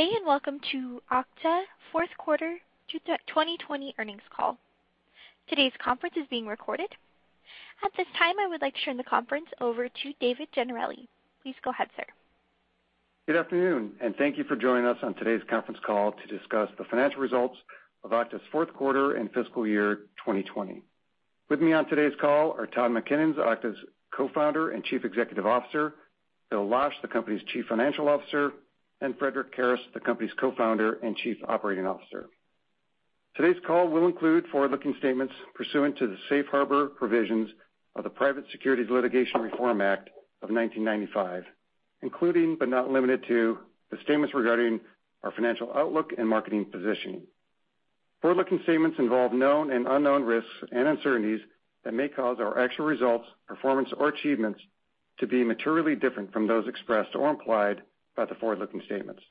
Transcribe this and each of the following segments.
Good day, and welcome to Okta Q4 2020 Earnings Call. Today's conference is being recorded. At this time, I would like to turn the conference over to Dave Gennarelli. Please go ahead, sir. Good afternoon, thank you for joining us on today's conference call to discuss the financial results of Okta's Q4 and fiscal year 2020. With me on today's call are Todd McKinnon, Okta's Co-founder and Chief Executive Officer, Bill Losch, the company's Chief Financial Officer, and Frederic Kerrest, the company's Co-founder and Chief Operating Officer. Today's call will include forward-looking statements pursuant to the safe harbor provisions of the Private Securities Litigation Reform Act of 1995, including but not limited to the statements regarding our financial outlook and marketing positioning. Forward-looking statements involve known and unknown risks and uncertainties that may cause our actual results, performance, or achievements to be materially different from those expressed or implied by the forward-looking statements.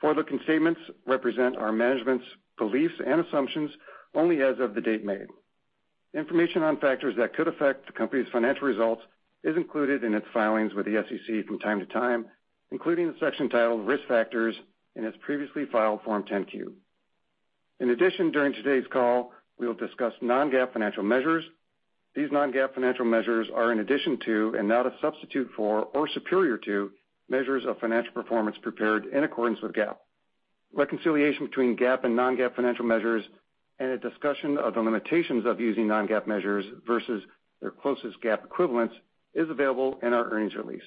Forward-looking statements represent our management's beliefs and assumptions only as of the date made. Information on factors that could affect the company's financial results is included in its filings with the SEC from time to time, including the section titled Risk Factors in its previously filed Form 10-Q. In addition, during today's call, we will discuss non-GAAP financial measures. These non-GAAP financial measures are in addition to and not a substitute for or superior to measures of financial performance prepared in accordance with GAAP. Reconciliation between GAAP and non-GAAP financial measures and a discussion of the limitations of using non-GAAP measures versus their closest GAAP equivalents is available in our earnings release.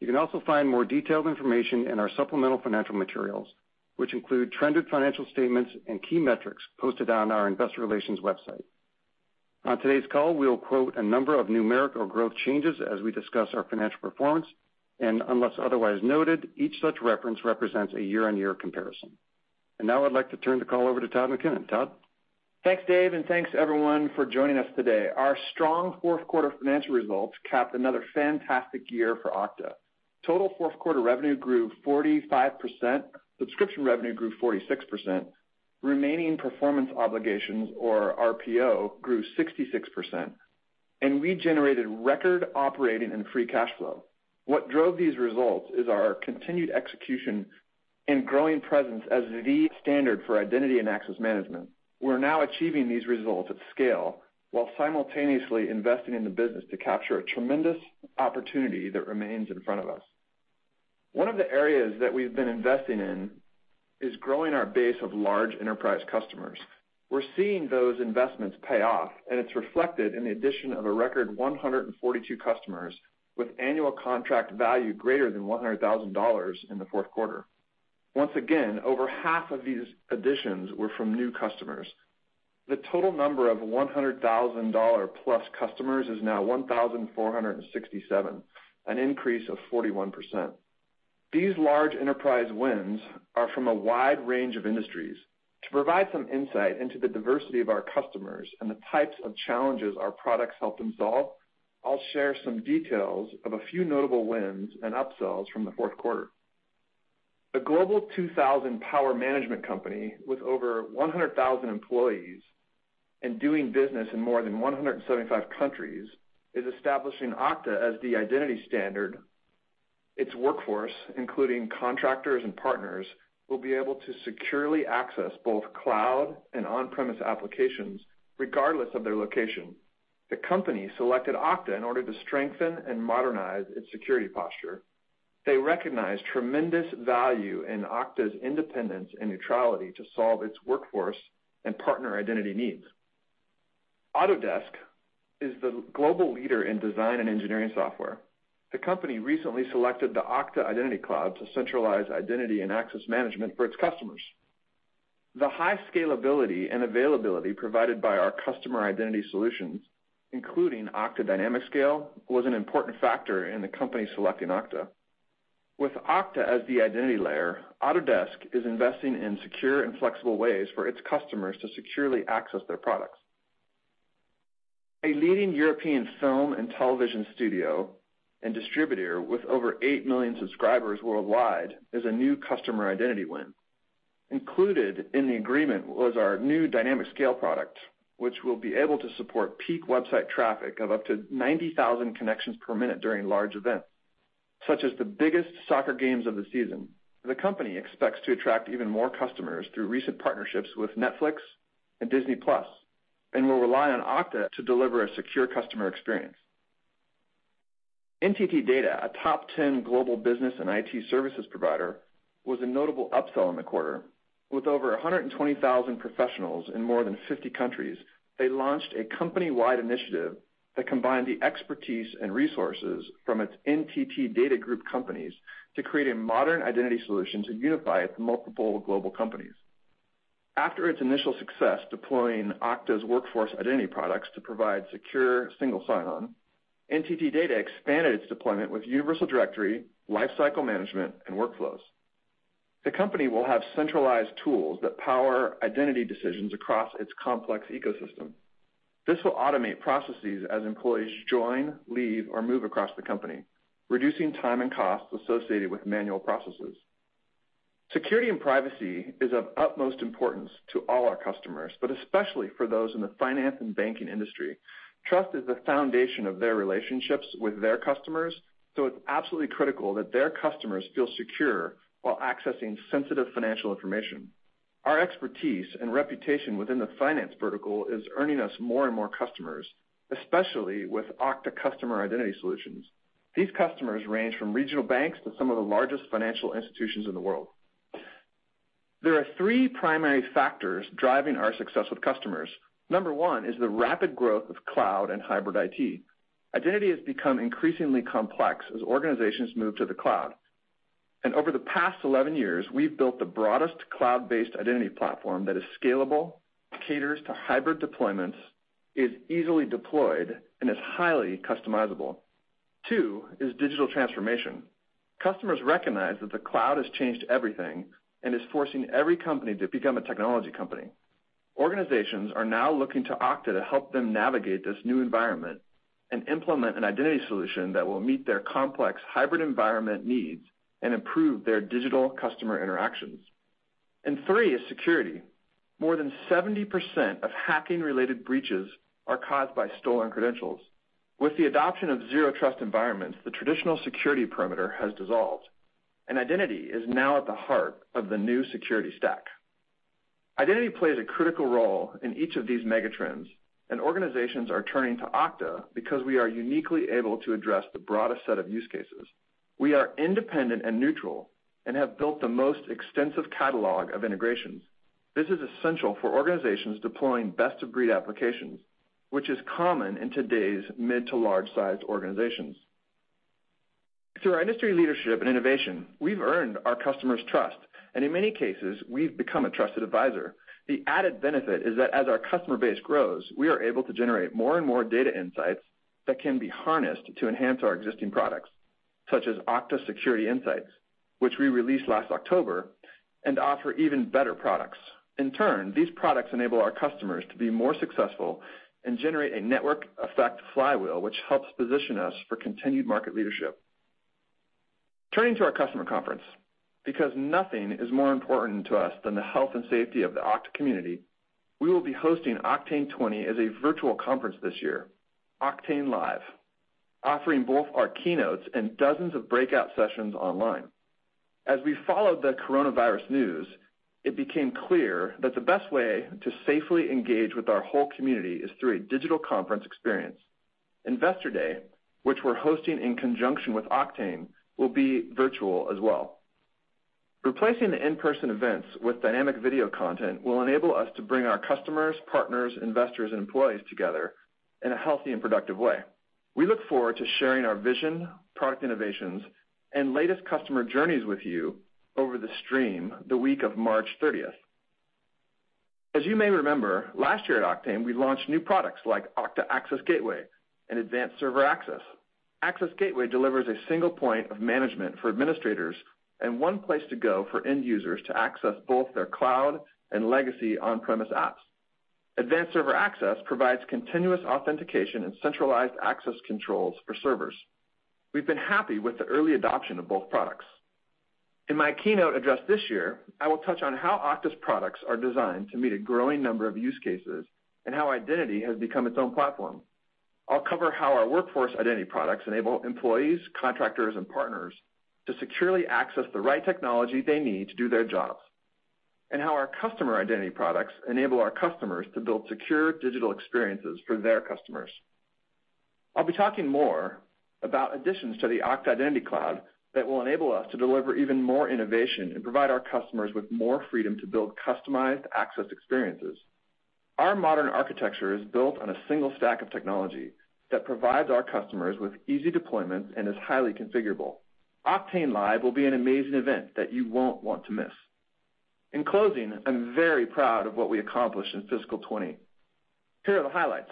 You can also find more detailed information in our supplemental financial materials, which include trended financial statements and key metrics posted on our investor relations website. On today's call, we will quote a number of numerical growth changes as we discuss our financial performance, and unless otherwise noted, each such reference represents a year-over-year comparison. Now I'd like to turn the call over to Todd McKinnon. Todd? Thanks, Dave, and thanks, everyone, for joining us today. Our strong Q4 financial results capped another fantastic year for Okta. Total Q4 revenue grew 45%, subscription revenue grew 46%, remaining performance obligations or RPO grew 66%, and we generated record operating and free cash flow. What drove these results is our continued execution and growing presence as the standard for identity and access management. We're now achieving these results at scale while simultaneously investing in the business to capture a tremendous opportunity that remains in front of us. One of the areas that we've been investing in is growing our base of large enterprise customers. We're seeing those investments pay off, and it's reflected in the addition of a record 142 customers with annual contract value greater than $100,000 in Q4. Once again, over half of these additions were from new customers. The total number of $100,000+ customers is now 1,467, an increase of 41%. These large enterprise wins are from a wide range of industries. To provide some insight into the diversity of our customers and the types of challenges our products help them solve, I'll share some details of a few notable wins and upsells from Q4. A Global 2000 power management company with over 100,000 employees and doing business in more than 175 countries is establishing Okta as the identity standard. Its workforce, including contractors and partners, will be able to securely access both cloud and on-premise applications regardless of their location. The company selected Okta in order to strengthen and modernize its security posture. They recognize tremendous value in Okta's independence and neutrality to solve its workforce and partner identity needs. Autodesk is the global leader in design and engineering software. The company recently selected the Okta Identity Cloud to centralize identity and access management for its customers. The high scalability and availability provided by our customer identity solutions, including Okta DynamicScale, was an important factor in the company selecting Okta. With Okta as the identity layer, Autodesk is investing in secure and flexible ways for its customers to securely access their products. A leading European film and television studio and distributor with over eight million subscribers worldwide is a new customer identity win. Included in the agreement was our new Okta DynamicScale product, which will be able to support peak website traffic of up to 90,000 connections per minute during large events, such as the biggest soccer games of the season. The company expects to attract even more customers through recent partnerships with Netflix and Disney+, and will rely on Okta to deliver a secure customer experience. NTT Data, a top 10 global business and IT services provider, was a notable upsell in the quarter. With over 120,000 professionals in more than 50 countries, they launched a company-wide initiative that combined the expertise and resources from its NTT Data group companies to create a modern identity solution to unify its multiple global companies. After its initial success deploying Okta's workforce identity products to provide secure single sign-on, NTT Data expanded its deployment with Universal Directory, Lifecycle Management, and Workflows. The company will have centralized tools that power identity decisions across its complex ecosystem. This will automate processes as employees join, leave, or move across the company, reducing time and costs associated with manual processes. Security and privacy is of utmost importance to all our customers, but especially for those in the finance and banking industry. Trust is the foundation of their relationships with their customers, so it's absolutely critical that their customers feel secure while accessing sensitive financial information. Our expertise and reputation within the finance vertical is earning us more and more customers, especially with Okta customer identity solutions. These customers range from regional banks to some of the largest financial institutions in the world. There are three primary factors driving our success with customers. Number one is the rapid growth of cloud and hybrid IT. Identity has become increasingly complex as organizations move to the cloud. Over the past 11 years, we've built the broadest cloud-based identity platform that is scalable, caters to hybrid deployments, is easily deployed, and is highly customizable. Two is digital transformation. Customers recognize that the cloud has changed everything and is forcing every company to become a technology company. Organizations are now looking to Okta to help them navigate this new environment and implement an identity solution that will meet their complex hybrid environment needs and improve their digital customer interactions. Three is security. More than 70% of hacking-related breaches are caused by stolen credentials. With the adoption of Zero Trust environments, the traditional security perimeter has dissolved, and identity is now at the heart of the new security stack. Identity plays a critical role in each of these mega trends, and organizations are turning to Okta because we are uniquely able to address the broadest set of use cases. We are independent and neutral and have built the most extensive catalog of integrations. This is essential for organizations deploying best-of-breed applications, which is common in today's mid to large-sized organizations. Through our industry leadership and innovation, we've earned our customer's trust, and in many cases, we've become a trusted advisor. The added benefit is that as our customer base grows, we are able to generate more and more data insights that can be harnessed to enhance our existing products, such as Okta ThreatInsight, which we released last October, and offer even better products. In turn, these products enable our customers to be more successful and generate a network effect flywheel, which helps position us for continued market leadership. Turning to our customer conference, because nothing is more important to us than the health and safety of the Okta community, we will be hosting Oktane20 as a virtual conference this year, Oktane Live, offering both our keynotes and dozens of breakout sessions online. As we followed the coronavirus news, it became clear that the best way to safely engage with our whole community is through a digital conference experience. Investor Day, which we're hosting in conjunction with Oktane, will be virtual as well. Replacing the in-person events with dynamic video content will enable us to bring our customers, partners, investors, and employees together in a healthy and productive way. We look forward to sharing our vision, product innovations, and latest customer journeys with you over the stream the week of March 30th. As you may remember, last year at Oktane, we launched new products like Okta Access Gateway and Advanced Server Access. Access Gateway delivers a single point of management for administrators and one place to go for end users to access both their cloud and legacy on-premise apps. Advanced Server Access provides continuous authentication and centralized access controls for servers. We've been happy with the early adoption of both products. In my keynote address this year, I will touch on how Okta's products are designed to meet a growing number of use cases and how identity has become its own platform. I'll cover how our workforce identity products enable employees, contractors, and partners to securely access the right technology they need to do their jobs, and how our customer identity products enable our customers to build secure digital experiences for their customers. I'll be talking more about additions to the Okta Identity Cloud that will enable us to deliver even more innovation and provide our customers with more freedom to build customized access experiences. Our modern architecture is built on a single stack of technology that provides our customers with easy deployment and is highly configurable. Oktane Live will be an amazing event that you won't want to miss. In closing, I'm very proud of what we accomplished in fiscal 2020. Here are the highlights.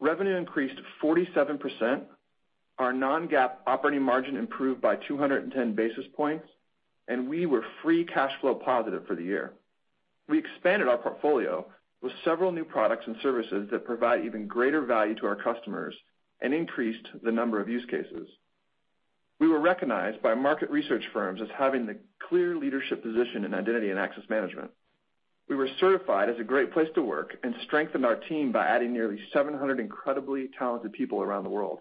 Revenue increased 47%, our non-GAAP operating margin improved by 210 basis points, and we were free cash flow positive for the year. We expanded our portfolio with several new products and services that provide even greater value to our customers and increased the number of use cases. We were recognized by market research firms as having the clear leadership position in identity and access management. We were certified as a great place to work and strengthened our team by adding nearly 700 incredibly talented people around the world.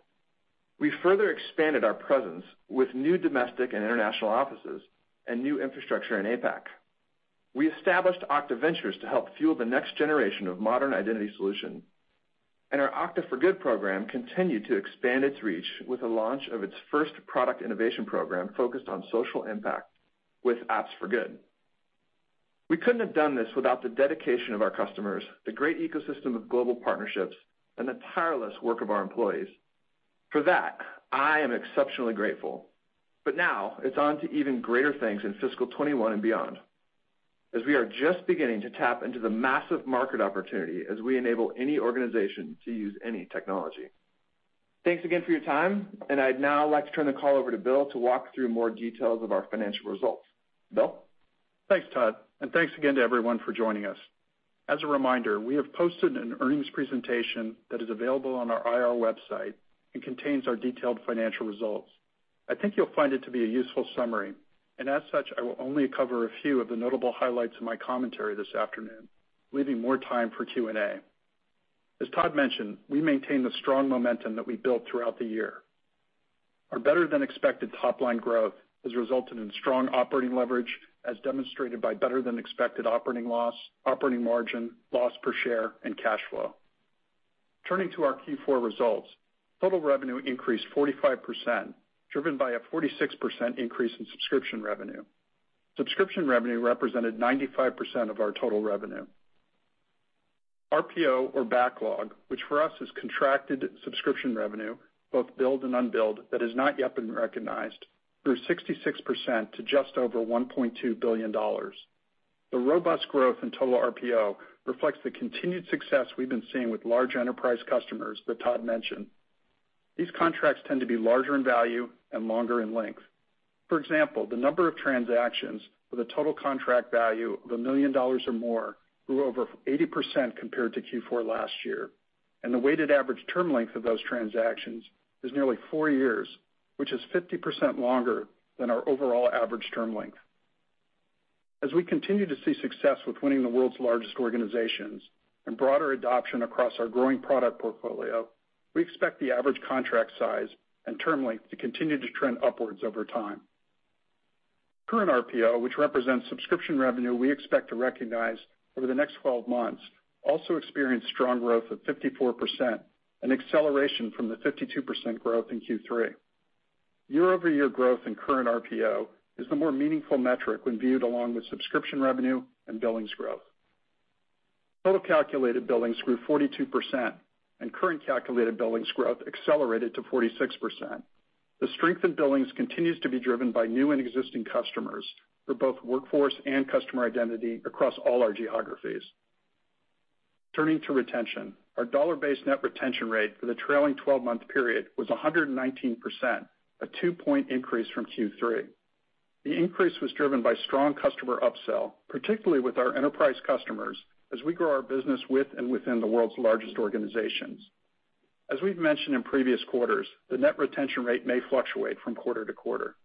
We further expanded our presence with new domestic and international offices and new infrastructure in APAC. We established Okta Ventures to help fuel the next generation of modern identity solution. Our Okta for Good program continued to expand its reach with the launch of its first product innovation program focused on social impact with Apps for Good. We couldn't have done this without the dedication of our customers, the great ecosystem of global partnerships, and the tireless work of our employees. For that, I am exceptionally grateful. Now it's on to even greater things in fiscal 2021 and beyond, as we are just beginning to tap into the massive market opportunity as we enable any organization to use any technology. Thanks again for your time, and I'd now like to turn the call over to Bill to walk through more details of our financial results. Bill? Thanks, Todd. Thanks again to everyone for joining us. As a reminder, we have posted an earnings presentation that is available on our IR website and contains our detailed financial results. I think you'll find it to be a useful summary, and as such, I will only cover a few of the notable highlights in my commentary this afternoon, leaving more time for Q&A. As Todd mentioned, we maintained the strong momentum that we built throughout the year. Our better-than-expected top-line growth has resulted in strong operating leverage, as demonstrated by better-than-expected operating loss, operating margin, loss per share, and cash flow. Turning to our Q4 results, total revenue increased 45%, driven by a 46% increase in subscription revenue. Subscription revenue represented 95% of our total revenue. RPO or backlog, which for us is contracted subscription revenue, both billed and unbilled, that has not yet been recognized, grew 66% to just over $1.2 billion. The robust growth in total RPO reflects the continued success we've been seeing with large enterprise customers that Todd mentioned. These contracts tend to be larger in value and longer in length. For example, the number of transactions with a total contract value of $1 million or more grew over 80% compared to Q4 last year. The weighted average term length of those transactions is nearly four years, which is 50% longer than our overall average term length. As we continue to see success with winning the world's largest organizations and broader adoption across our growing product portfolio, we expect the average contract size and term length to continue to trend upwards over time. Current RPO, which represents subscription revenue we expect to recognize over the next 12 months, also experienced strong growth of 54%, an acceleration from the 52% growth in Q3. Year-over-year growth in current RPO is the more meaningful metric when viewed along with subscription revenue and billings growth. Total calculated billings grew 42%, and current calculated billings growth accelerated to 46%. The strength in billings continues to be driven by new and existing customers for both workforce and customer identity across all our geographies. Turning to retention, our dollar-based net retention rate for the trailing 12-month period was 119%, a two-point increase from Q3. The increase was driven by strong customer upsell, particularly with our enterprise customers, as we grow our business with and within the world's largest organizations. As we've mentioned in previous quarters, the net retention rate may fluctuate from quarter to quarter.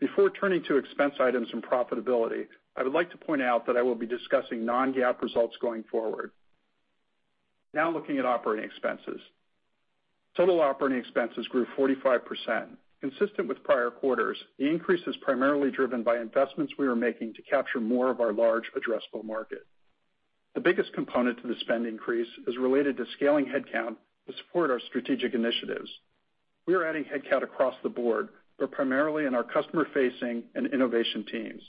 Before turning to expense items and profitability, I would like to point out that I will be discussing non-GAAP results going forward. Now looking at operating expenses. Total operating expenses grew 45%. Consistent with prior quarters, the increase is primarily driven by investments we are making to capture more of our large addressable market. The biggest component to the spend increase is related to scaling headcount to support our strategic initiatives. We are adding headcount across the board, but primarily in our customer-facing and innovation teams.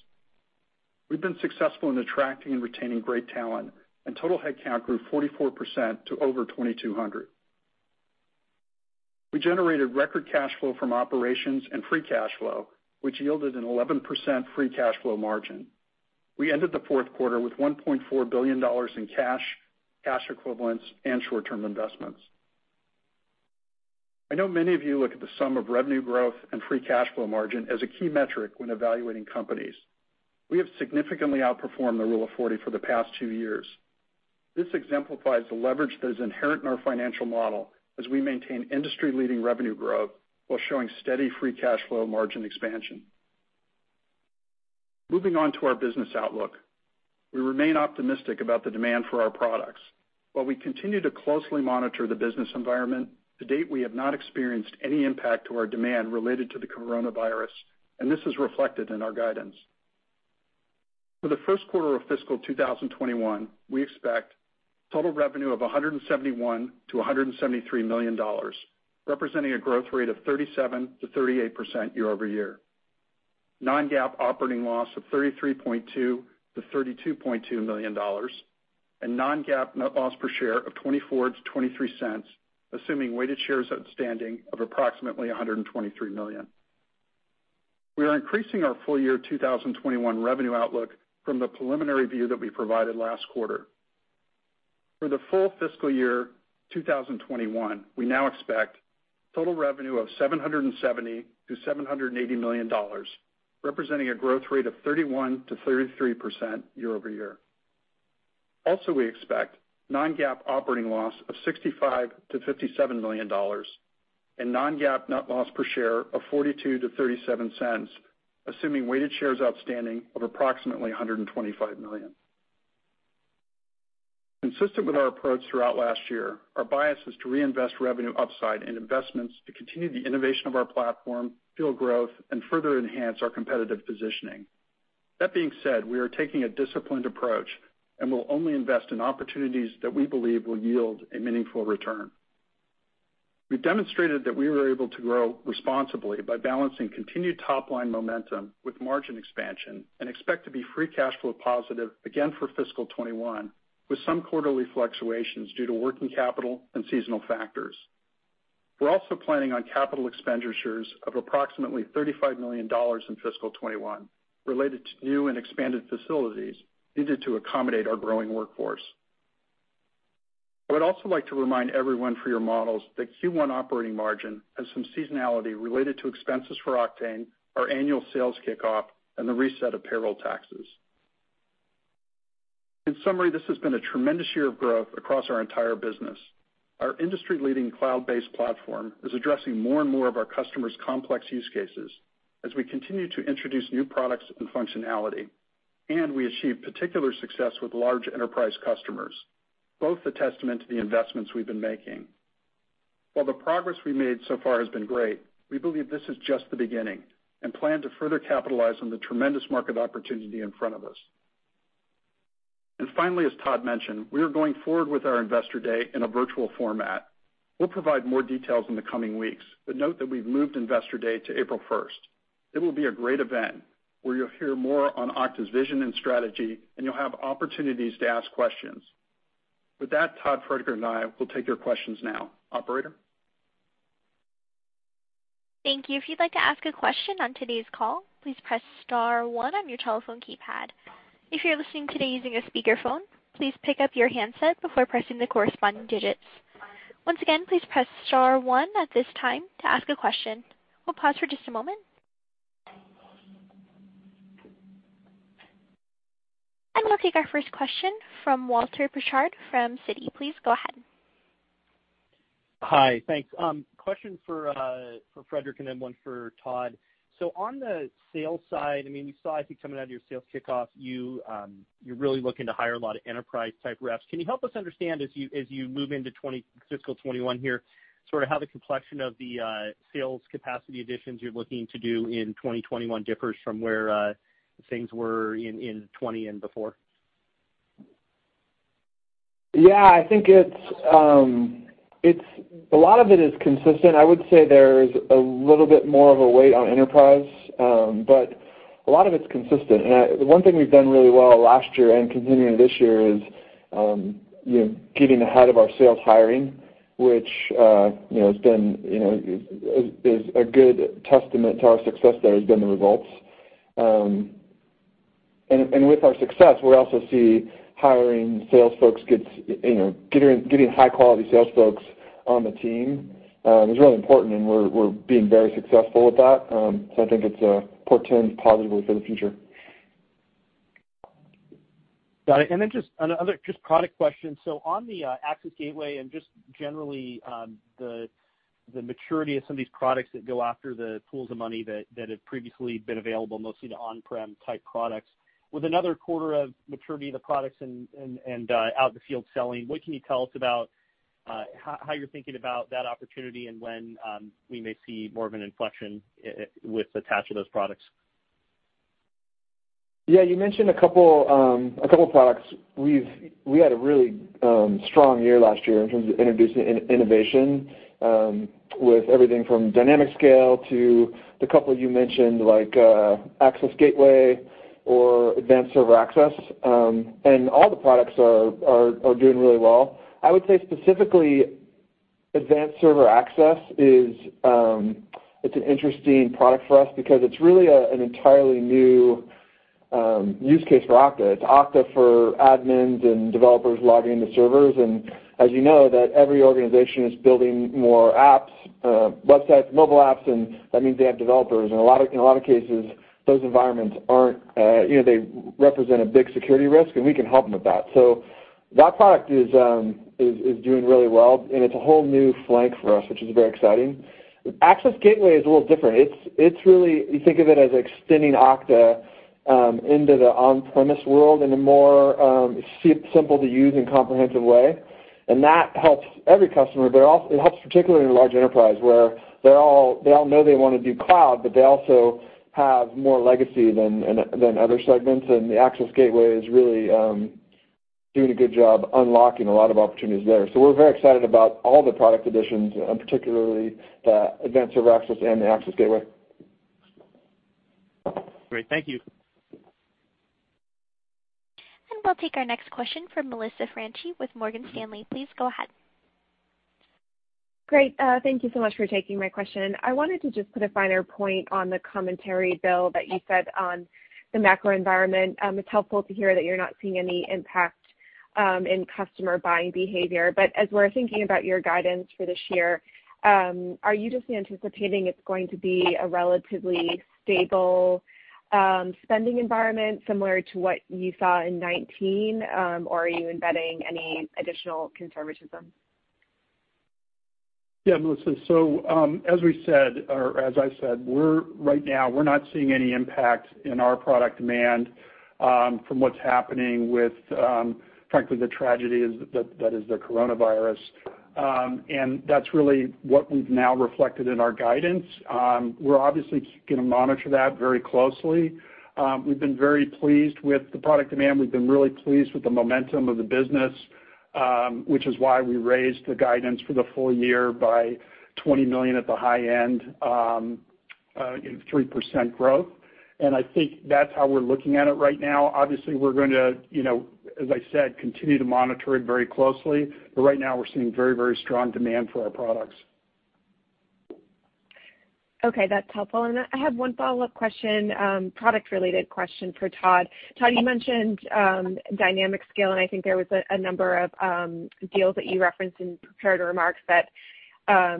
We've been successful in attracting and retaining great talent, and total headcount grew 44% to over 2,200. We generated record cash flow from operations and free cash flow, which yielded an 11% free cash flow margin. We ended Q4 with $1.4 billion in cash equivalents, and short-term investments. I know many of you look at the sum of revenue growth and free cash flow margin as a key metric when evaluating companies. We have significantly outperformed the rule of 40 for the past two years. This exemplifies the leverage that is inherent in our financial model as we maintain industry-leading revenue growth while showing steady free cash flow margin expansion. Moving on to our business outlook. We remain optimistic about the demand for our products. While we continue to closely monitor the business environment, to date, we have not experienced any impact to our demand related to the coronavirus, and this is reflected in our guidance. For the Q1 of fiscal 2021, we expect total revenue of $171 million-$173 million, representing a growth rate of 37%-38% year-over-year. Non-GAAP operating loss of $33.2 million-$32.2 million and non-GAAP net loss per share of $0.24-$0.23, assuming weighted shares outstanding of approximately 123 million. We are increasing our full year 2021 revenue outlook from the preliminary view that we provided last quarter. For the full fiscal year 2021, we now expect total revenue of $770 million-$780 million, representing a growth rate of 31%-33% year-over-year. We expect non-GAAP operating loss of $65 million-$57 million and non-GAAP net loss per share of $0.42-$0.37, assuming weighted shares outstanding of approximately 125 million. Consistent with our approach throughout last year, our bias is to reinvest revenue upside and investments to continue the innovation of our platform, fuel growth, and further enhance our competitive positioning. That being said, we are taking a disciplined approach and will only invest in opportunities that we believe will yield a meaningful return. We've demonstrated that we were able to grow responsibly by balancing continued top-line momentum with margin expansion and expect to be free cash flow positive again for fiscal 2021, with some quarterly fluctuations due to working capital and seasonal factors. We're also planning on capital expenditures of approximately $35 million in fiscal 2021 related to new and expanded facilities needed to accommodate our growing workforce. I would also like to remind everyone for your models that Q1 operating margin has some seasonality related to expenses for Okta, our annual sales kickoff, and the reset of payroll taxes. In summary, this has been a tremendous year of growth across our entire business. Our industry-leading cloud-based platform is addressing more and more of our customers' complex use cases as we continue to introduce new products and functionality, and we achieve particular success with large enterprise customers, both a testament to the investments we've been making. While the progress we've made so far has been great, we believe this is just the beginning and plan to further capitalize on the tremendous market opportunity in front of us. Finally, as Todd mentioned, we are going forward with our Investor Day in a virtual format. We'll provide more details in the coming weeks, but note that we've moved Investor Day to April 1st. It will be a great event where you'll hear more on Okta's vision and strategy, and you'll have opportunities to ask questions. With that, Todd, Frederic, and I will take your questions now. Operator? Thank you. If you'd like to ask a question on today's call, please press star one on your telephone keypad. If you're listening today using a speakerphone, please pick up your handset before pressing the corresponding digits. Once again, please press star one at this time to ask a question. We'll pause for just a moment. I'm going to take our first question from Walter Pritchard from Citi. Please go ahead. Hi. Thanks. Question for Frederic and then one for Todd. On the sales side, we saw, I think, coming out of your sales kickoff, you're really looking to hire a lot of enterprise-type reps. Can you help us understand as you move into fiscal 2021 here, sort of how the complexion of the sales capacity additions you're looking to do in 2021 differs from where things were in 2020 and before? Yeah, I think a lot of it is consistent. I would say there's a little bit more of a weight on enterprise, but a lot of it's consistent. The one thing we've done really well last year and continuing this year is getting ahead of our sales hiring, which as a good testament to our success there has been the results. With our success, we also see hiring high-quality sales folks on the team is really important, and we're being very successful with that. I think it portends positively for the future. Got it. Just another product question. On the Okta Access Gateway and just generally the maturity of some of these products that go after the pools of money that had previously been available, mostly the on-prem type products. With another quarter of maturity of the products and out in the field selling, what can you tell us about how you're thinking about that opportunity and when we may see more of an inflection with attach of those products? Yeah, you mentioned a couple products. We had a really strong year last year in terms of introducing innovation, with everything from DynamicScale to the couple you mentioned, like Access Gateway or Advanced Server Access. All the products are doing really well. I would say specifically Advanced Server Access is an interesting product for us because it's really an entirely new use case for Okta. It's Okta for admins and developers logging into servers, and as you know, that every organization is building more apps, websites, mobile apps, and that means they have developers. In a lot of cases, those environments represent a big security risk, and we can help them with that. That product is doing really well, and it's a whole new flank for us, which is very exciting. Access Gateway is a little different. You think of it as extending Okta into the on-premise world in a more simple-to-use and comprehensive way. That helps every customer, but it helps particularly in a large enterprise where they all know they want to do cloud, but they also have more legacy than other segments, and the Access Gateway is really doing a good job unlocking a lot of opportunities there. We're very excited about all the product additions, and particularly the Advanced Server Access and the Access Gateway. Great. Thank you. We'll take our next question from Melissa Franchi with Morgan Stanley. Please go ahead. Great. Thank you so much for taking my question. I wanted to just put a finer point on the commentary, Bill, that you said on the macro environment. It's helpful to hear that you're not seeing any impact in customer buying behavior. As we're thinking about your guidance for this year, are you just anticipating it's going to be a relatively stable spending environment similar to what you saw in 2019? Or are you embedding any additional conservatism? Yeah, Melissa. As I said, right now we're not seeing any impact in our product demand from what's happening with, frankly, the tragedy that is the coronavirus. That's really what we've now reflected in our guidance. We're obviously going to monitor that very closely. We've been very pleased with the product demand. We've been really pleased with the momentum of the business, which is why we raised the guidance for the full year by $20 million at the high end, 3% growth. I think that's how we're looking at it right now. Obviously, we're going to, as I said, continue to monitor it very closely. Right now we're seeing very strong demand for our products. Okay. That's helpful. I have one follow-up question, product-related question for Todd. Todd, you mentioned DynamicScale, and I think there was a number of deals that you referenced in prepared remarks that had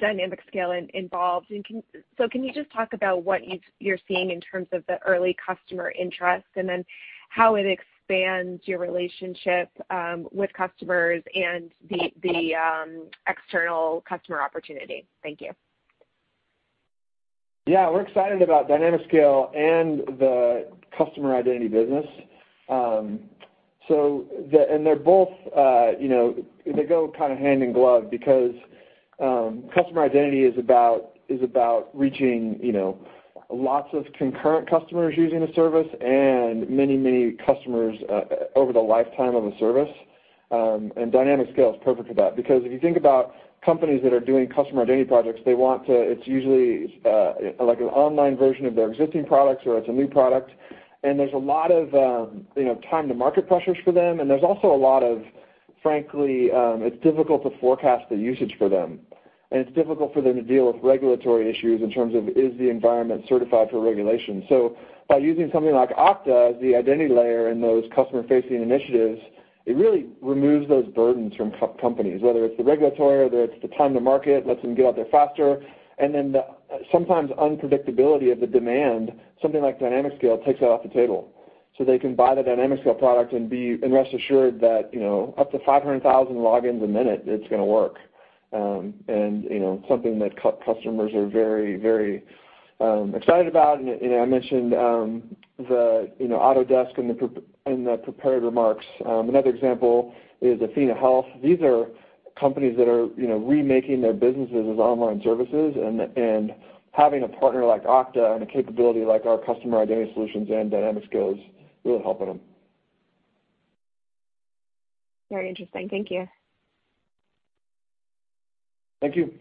DynamicScale involved. Can you just talk about what you're seeing in terms of the early customer interest, and then how it expands your relationship with customers and the external customer opportunity? Thank you. Yeah. We're excited about DynamicScale and the customer identity business. They go hand in glove because customer identity is about reaching lots of concurrent customers using a service and many customers over the lifetime of a service. DynamicScale is perfect for that because if you think about companies that are doing customer identity projects, it's usually like an online version of their existing products or it's a new product, and there's a lot of time-to-market pressures for them. There's also a lot of, frankly, it's difficult to forecast the usage for them, and it's difficult for them to deal with regulatory issues in terms of, is the environment certified for regulation? By using something like Okta as the identity layer in those customer-facing initiatives, it really removes those burdens from companies, whether it's the regulatory or whether it's the time to market, lets them get out there faster. Sometimes unpredictability of the demand, something like DynamicScale takes that off the table. They can buy the DynamicScale product and rest assured that up to 500,000 logins a minute, it's going to work. Something that customers are very excited about. I mentioned Autodesk in the prepared remarks. Another example is Athenahealth. These are companies that are remaking their businesses as online services, and having a partner like Okta and a capability like our customer identity solutions and DynamicScale is really helping them. Very interesting. Thank you. Thank you.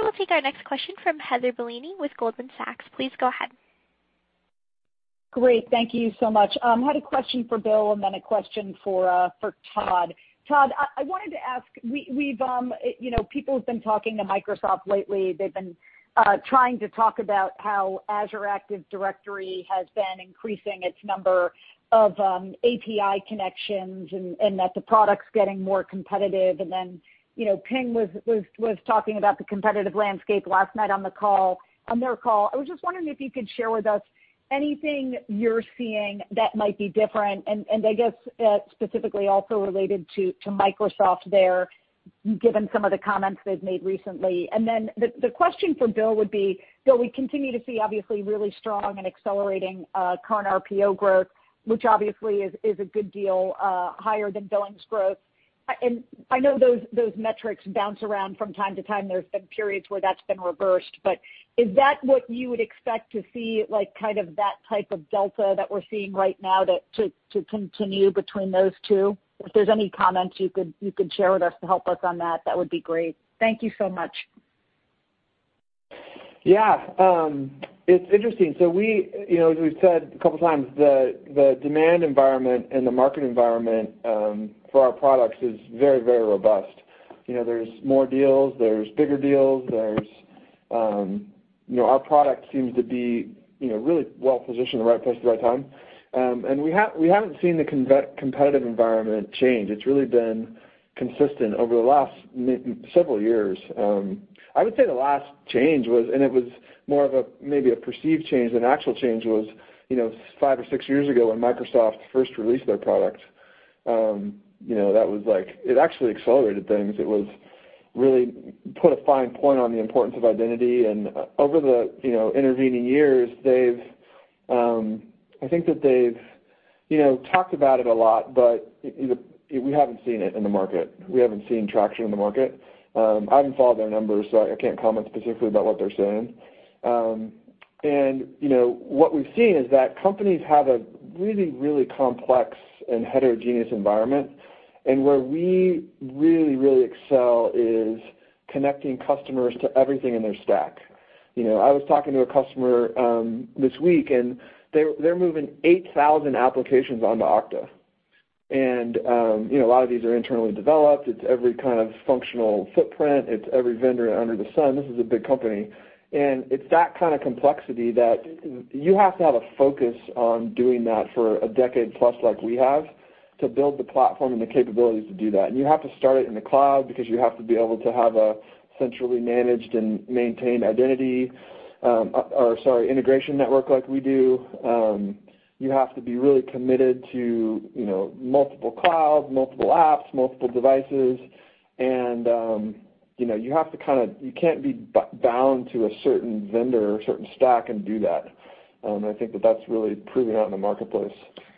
We'll take our next question from Heather Bellini with Goldman Sachs. Please go ahead. Great. Thank you so much. I had a question for Bill and then a question for Todd. Todd, I wanted to ask, people have been talking to Microsoft lately. They've been trying to talk about how Azure Active Directory has been increasing its number of API connections, and that the product's getting more competitive. Ping was talking about the competitive landscape last night on their call. I was just wondering if you could share with us anything you're seeing that might be different, and I guess specifically also related to Microsoft there, given some of the comments they've made recently. The question for Bill would be, Bill, we continue to see obviously really strong and accelerating current RPO growth, which obviously is a good deal higher than billings growth. I know those metrics bounce around from time to time. There's been periods where that's been reversed. Is that what you would expect to see, like that type of delta that we're seeing right now to continue between those two? If there's any comments you could share with us to help us on that would be great. Thank you so much. Yeah. It's interesting. As we've said a couple of times, the demand environment and the market environment for our products is very robust. There's more deals. There's bigger deals. Our product seems to be really well-positioned, the right place at the right time. We haven't seen the competitive environment change. It's really been consistent over the last several years. I would say the last change was, and it was more of maybe a perceived change than actual change, was five or six years ago when Microsoft first released their product. It actually accelerated things. It really put a fine point on the importance of identity. Over the intervening years, I think that they've talked about it a lot, but we haven't seen it in the market. We haven't seen traction in the market. I haven't followed their numbers, so I can't comment specifically about what they're saying. What we've seen is that companies have a really complex and heterogeneous environment. Where we really excel is connecting customers to everything in their stack. I was talking to a customer this week, and they're moving 8,000 applications onto Okta. A lot of these are internally developed. It's every kind of functional footprint. It's every vendor under the sun. This is a big company. It's that kind of complexity that you have to have a focus on doing that for a decade plus like we have to build the platform and the capabilities to do that. You have to start it in the cloud because you have to be able to have a centrally managed and maintained identity, or sorry, integration network like we do. You have to be really committed to multiple clouds, multiple apps, multiple devices, and you can't be bound to a certain vendor or a certain stack and do that. I think that that's really proven out in the marketplace.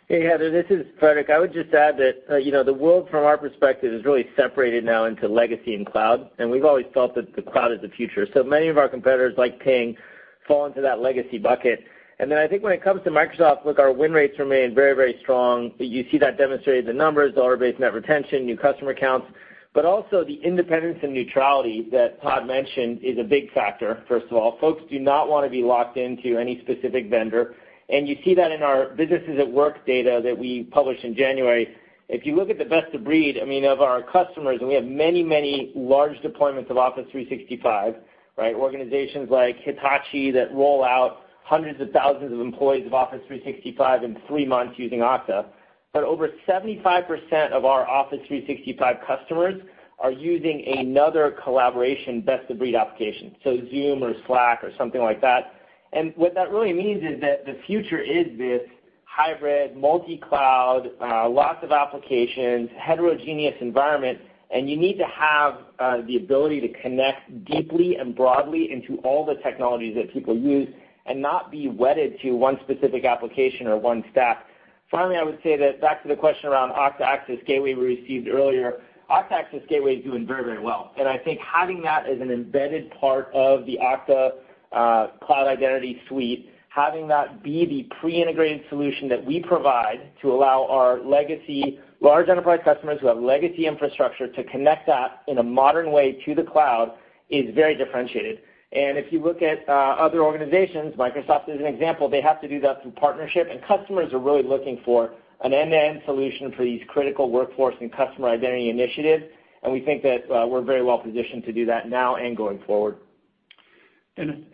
Hey, Heather, this is Frederic. I would just add that, the world from our perspective is really separated now into legacy and cloud, and we've always felt that the cloud is the future. Many of our competitors, like Ping, fall into that legacy bucket. I think when it comes to Microsoft, look, our win rates remain very, very strong. You see that demonstrated in the numbers, dollar-based net retention, new customer accounts, but also the independence and neutrality that Todd mentioned is a big factor, first of all. Folks do not want to be locked into any specific vendor. You see that in our Businesses at Work data that we published in January. If you look at the best-of-breed of our customers, and we have many, many large deployments of Office 365, right? Organizations like Hitachi that roll out hundreds of thousands of employees of Office 365 in three months using Okta. Over 75% of our Office 365 customers are using another collaboration best-of-breed application, so Zoom or Slack or something like that. What that really means is that the future is this hybrid, multi-cloud, lots of applications, heterogeneous environment, and you need to have the ability to connect deeply and broadly into all the technologies that people use and not be wedded to one specific application or one stack. Finally, I would say that back to the question around Okta Access Gateway we received earlier, Okta Access Gateway is doing very, very well, and I think having that as an embedded part of the Okta Identity Cloud, having that be the pre-integrated solution that we provide to allow our legacy large enterprise customers who have legacy infrastructure to connect that in a modern way to the cloud is very differentiated. If you look at other organizations, Microsoft as an example, they have to do that through partnership, and customers are really looking for an end-to-end solution for these critical workforce and customer identity initiatives, and we think that we're very well-positioned to do that now and going forward.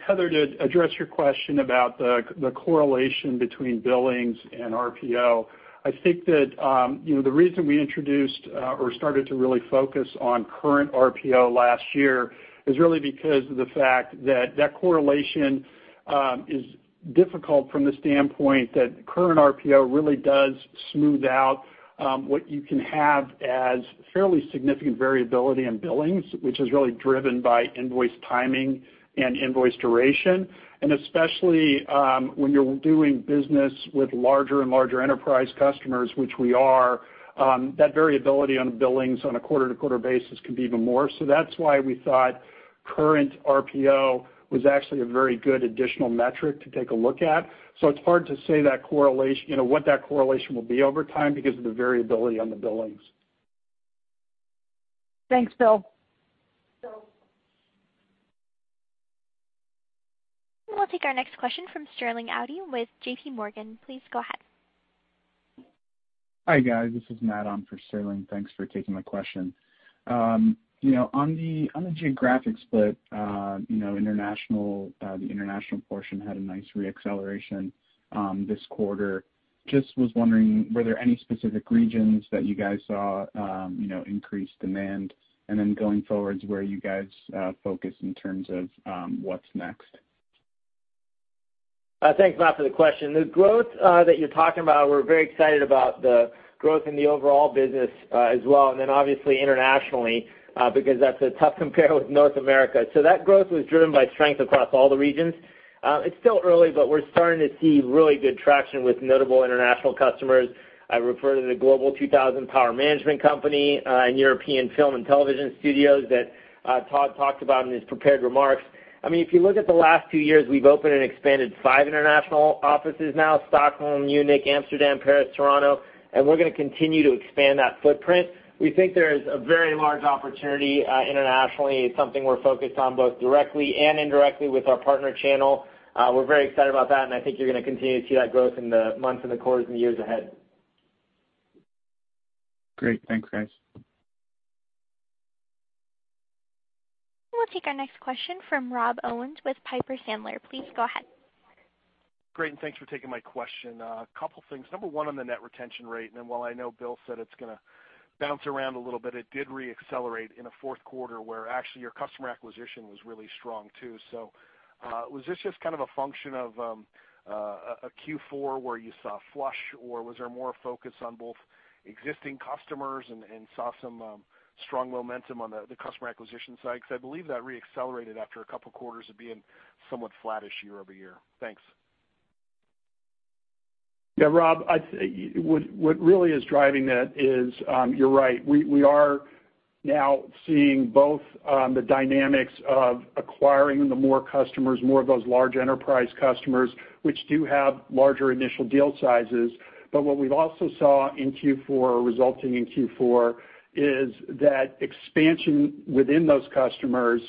Heather, to address your question about the correlation between billings and RPO, I think that the reason we introduced or started to really focus on current RPO last year is really because of the fact that correlation is difficult from the standpoint that current RPO really does smooth out what you can have as fairly significant variability in billings, which is really driven by invoice timing and invoice duration. Especially when you're doing business with larger and larger enterprise customers, which we are, that variability on billings on a quarter-to-quarter basis could be even more. That's why we thought current RPO was actually a very good additional metric to take a look at. It's hard to say what that correlation will be over time because of the variability on the billings. Thanks, Bill. We'll take our next question from Sterling Auty with J.P. Morgan. Please go ahead. Hi, guys. This is Matthew on for Sterling. Thanks for taking my question. On the geographic split, the international portion had a nice re-acceleration this quarter. Just was wondering, were there any specific regions that you guys saw increased demand? Going forward, where you guys focus in terms of what's next? Thanks, Matthew, for the question. The growth that you're talking about, we're very excited about the growth in the overall business as well, and then obviously internationally, because that's a tough compare with North America. That growth was driven by strength across all the regions. It's still early, but we're starting to see really good traction with notable international customers. I refer to the Global 2000 power management company and European film and television studios that Todd talked about in his prepared remarks. If you look at the last two years, we've opened and expanded five international offices now, Stockholm, Munich, Amsterdam, Paris, Toronto, and we're going to continue to expand that footprint. We think there is a very large opportunity internationally. It's something we're focused on both directly and indirectly with our partner channel. We're very excited about that. I think you're going to continue to see that growth in the months and the quarters and years ahead. Great. Thanks, guys. We'll take our next question from Rob Owens with Piper Sandler. Please go ahead. Great. Thanks for taking my question. A couple things. Number one on the net retention rate. While I know Bill said it's going to bounce around a little bit, it did re-accelerate in a Q4 where actually your customer acquisition was really strong too. Was this just kind of a function of a Q4 where you saw flush, or was there more focus on both existing customers and saw some strong momentum on the customer acquisition side? I believe that re-accelerated after a couple quarters of being somewhat flattish year-over-year. Thanks. Rob, what really is driving that is, you're right, we are now seeing both the dynamics of acquiring the more customers, more of those large enterprise customers, which do have larger initial deal sizes. What we also saw in Q4, resulting in Q4, is that expansion within those customers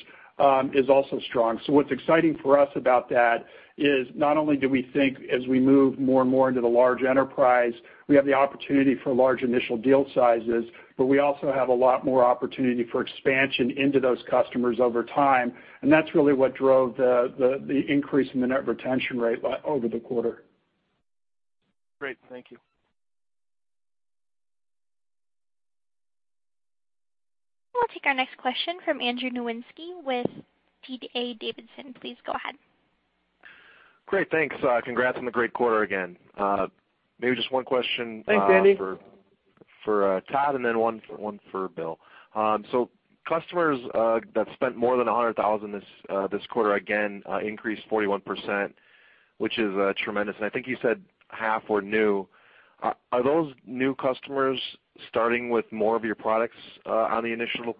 is also strong. What's exciting for us about that is not only do we think as we move more and more into the large enterprise, we have the opportunity for large initial deal sizes, but we also have a lot more opportunity for expansion into those customers over time, and that's really what drove the increase in the net retention rate over the quarter. Great. Thank you. We'll take our next question from Andrew Nowinski with D.A. Davidson. Please go ahead. Great. Thanks. Congrats on the great quarter again. Maybe just one question. Thanks, Andrew. for Todd, then one for Bill. Customers that spent more than $100,000 this quarter, again, increased 41%, which is tremendous. I think you said half were new. Are those new customers starting with more of your products on the initial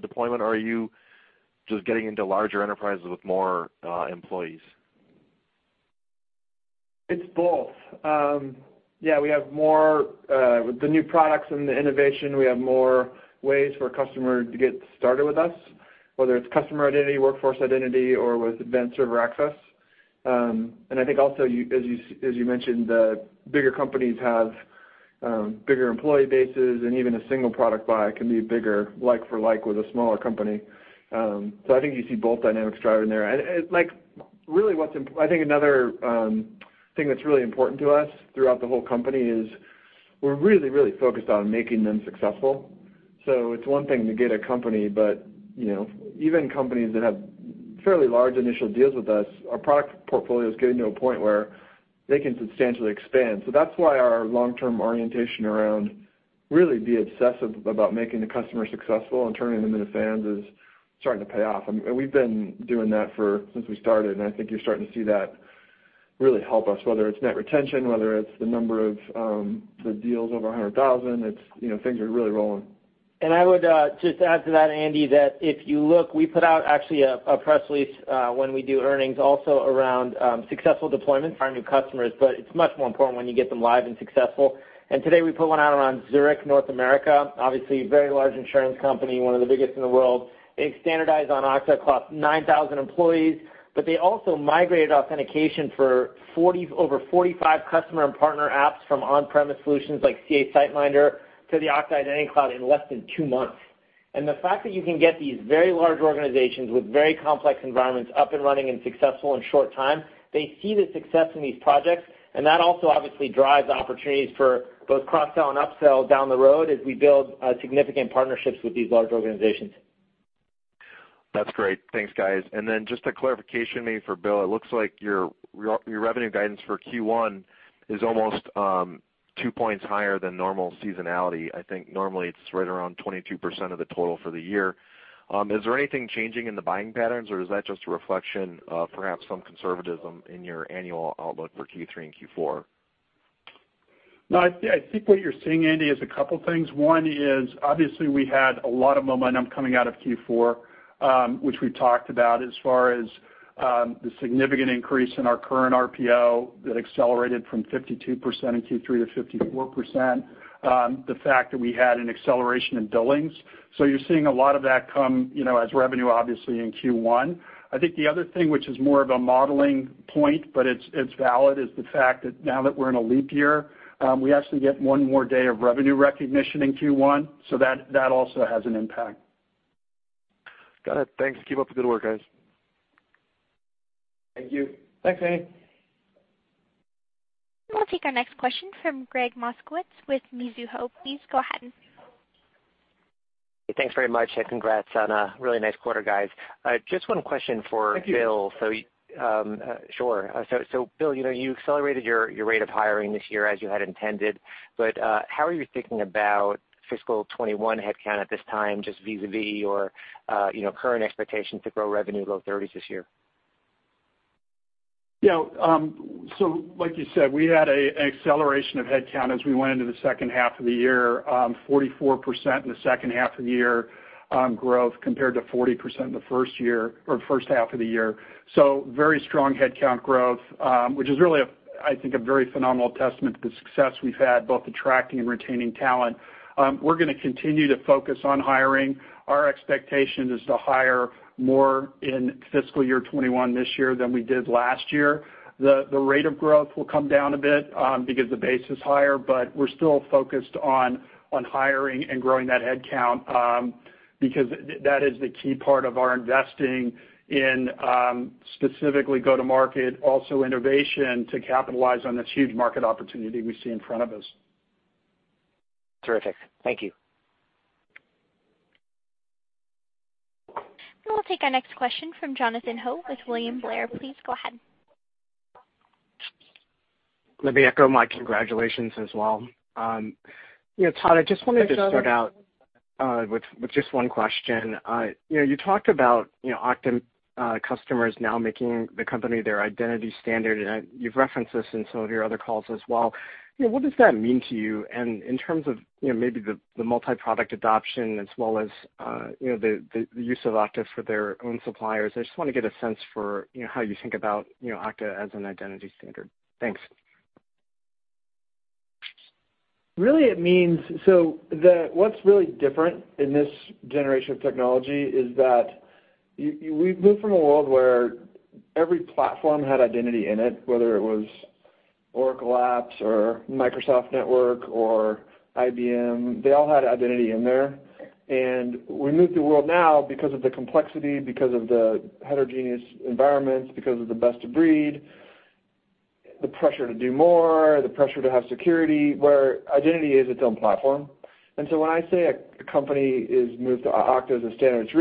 deployment or are you just getting into larger enterprises with more employees? It's both. Yeah, with the new products and the innovation, we have more ways for a customer to get started with us, whether it's customer identity, workforce identity or with Advanced Server Access. I think also, as you mentioned, the bigger companies have bigger employee bases and even a single product buy can be bigger, like for like, with a smaller company. I think you see both dynamics driving there. I think another thing that's really important to us throughout the whole company is we're really focused on making them successful. It's one thing to get a company, but even companies that have fairly large initial deals with us, our product portfolio is getting to a point where they can substantially expand. That's why our long-term orientation around really be obsessive about making the customer successful and turning them into fans is starting to pay off. We've been doing that since we started, and I think you're starting to see that really help us, whether it's net retention, whether it's the number of the deals over 100,000, things are really rolling. I would just add to that, Andrew, that if you look, we put out actually a press release when we do earnings also around successful deployments for our new customers. It's much more important when you get them live and successful. Today we put one out around Zurich North America, obviously a very large insurance company, one of the biggest in the world. They standardized on Okta, across 9,000 employees, but they also migrated authentication for over 45 customer and partner apps from on-premise solutions like CA SiteMinder to the Okta Identity Cloud in less than two months. The fact that you can get these very large organizations with very complex environments up and running and successful in a short time, they see the success in these projects, and that also obviously drives opportunities for both cross-sell and upsell down the road as we build significant partnerships with these large organizations. That's great. Thanks, guys. Just a clarification maybe for Bill, it looks like your revenue guidance for Q1 is almost two points higher than normal seasonality. I think normally it's right around 22% of the total for the year. Is there anything changing in the buying patterns or is that just a reflection of perhaps some conservatism in your annual outlook for Q3 and Q4? I think what you're seeing, Andrew, is a couple things. One is obviously we had a lot of momentum coming out of Q4, which we talked about as far as the significant increase in our current RPO that accelerated from 52% in Q3 to 54%. The fact that we had an acceleration in billings. You're seeing a lot of that come as revenue obviously in Q1. I think the other thing which is more of a modeling point but it's valid, is the fact that now that we're in a leap year, we actually get one more day of revenue recognition in Q1, so that also has an impact. Got it. Thanks. Keep up the good work, guys. Thank you. Thanks, Andrew. We'll take our next question from Gregg Moskowitz with Mizuho. Please go ahead. Thanks very much and congrats on a really nice quarter, guys. Just one question for Bill. Thank you. Sure. Bill, you accelerated your rate of hiring this year as you had intended, how are you thinking about fiscal 2021 headcount at this time, just vis-a-vis our current expectations to grow revenue low 30s this year? Yeah. Like you said, we had an acceleration of headcount as we went into the H2 of the year, 44% in the H2 of the year growth compared to 40% in the H1 of the year. Very strong headcount growth, which is really, I think, a very phenomenal testament to the success we've had both attracting and retaining talent. We're going to continue to focus on hiring. Our expectation is to hire more in fiscal year 2021 this year than we did last year. The rate of growth will come down a bit because the base is higher, but we're still focused on hiring and growing that headcount because that is the key part of our investing in specifically go to market, also innovation to capitalize on this huge market opportunity we see in front of us. Terrific. Thank you. We'll take our next question from Jonathan Ho with William Blair. Please go ahead. Let me echo my congratulations as well. Todd, I just wanted to start out with just one question. You talked about Okta customers now making the company their identity standard, and you've referenced this in some of your other calls as well. What does that mean to you? In terms of maybe the multi-product adoption as well as the use of Okta for their own suppliers. I just want to get a sense for how you think about Okta as an identity standard. Thanks. What's really different in this generation of technology is that we've moved from a world where every platform had identity in it, whether it was Oracle or Microsoft Network or IBM. They all had identity in there. We moved the world now because of the complexity, because of the heterogeneous environments, because of the best-of-breed, where identity is its own platform. When I say a company has moved to Okta as a standard, it's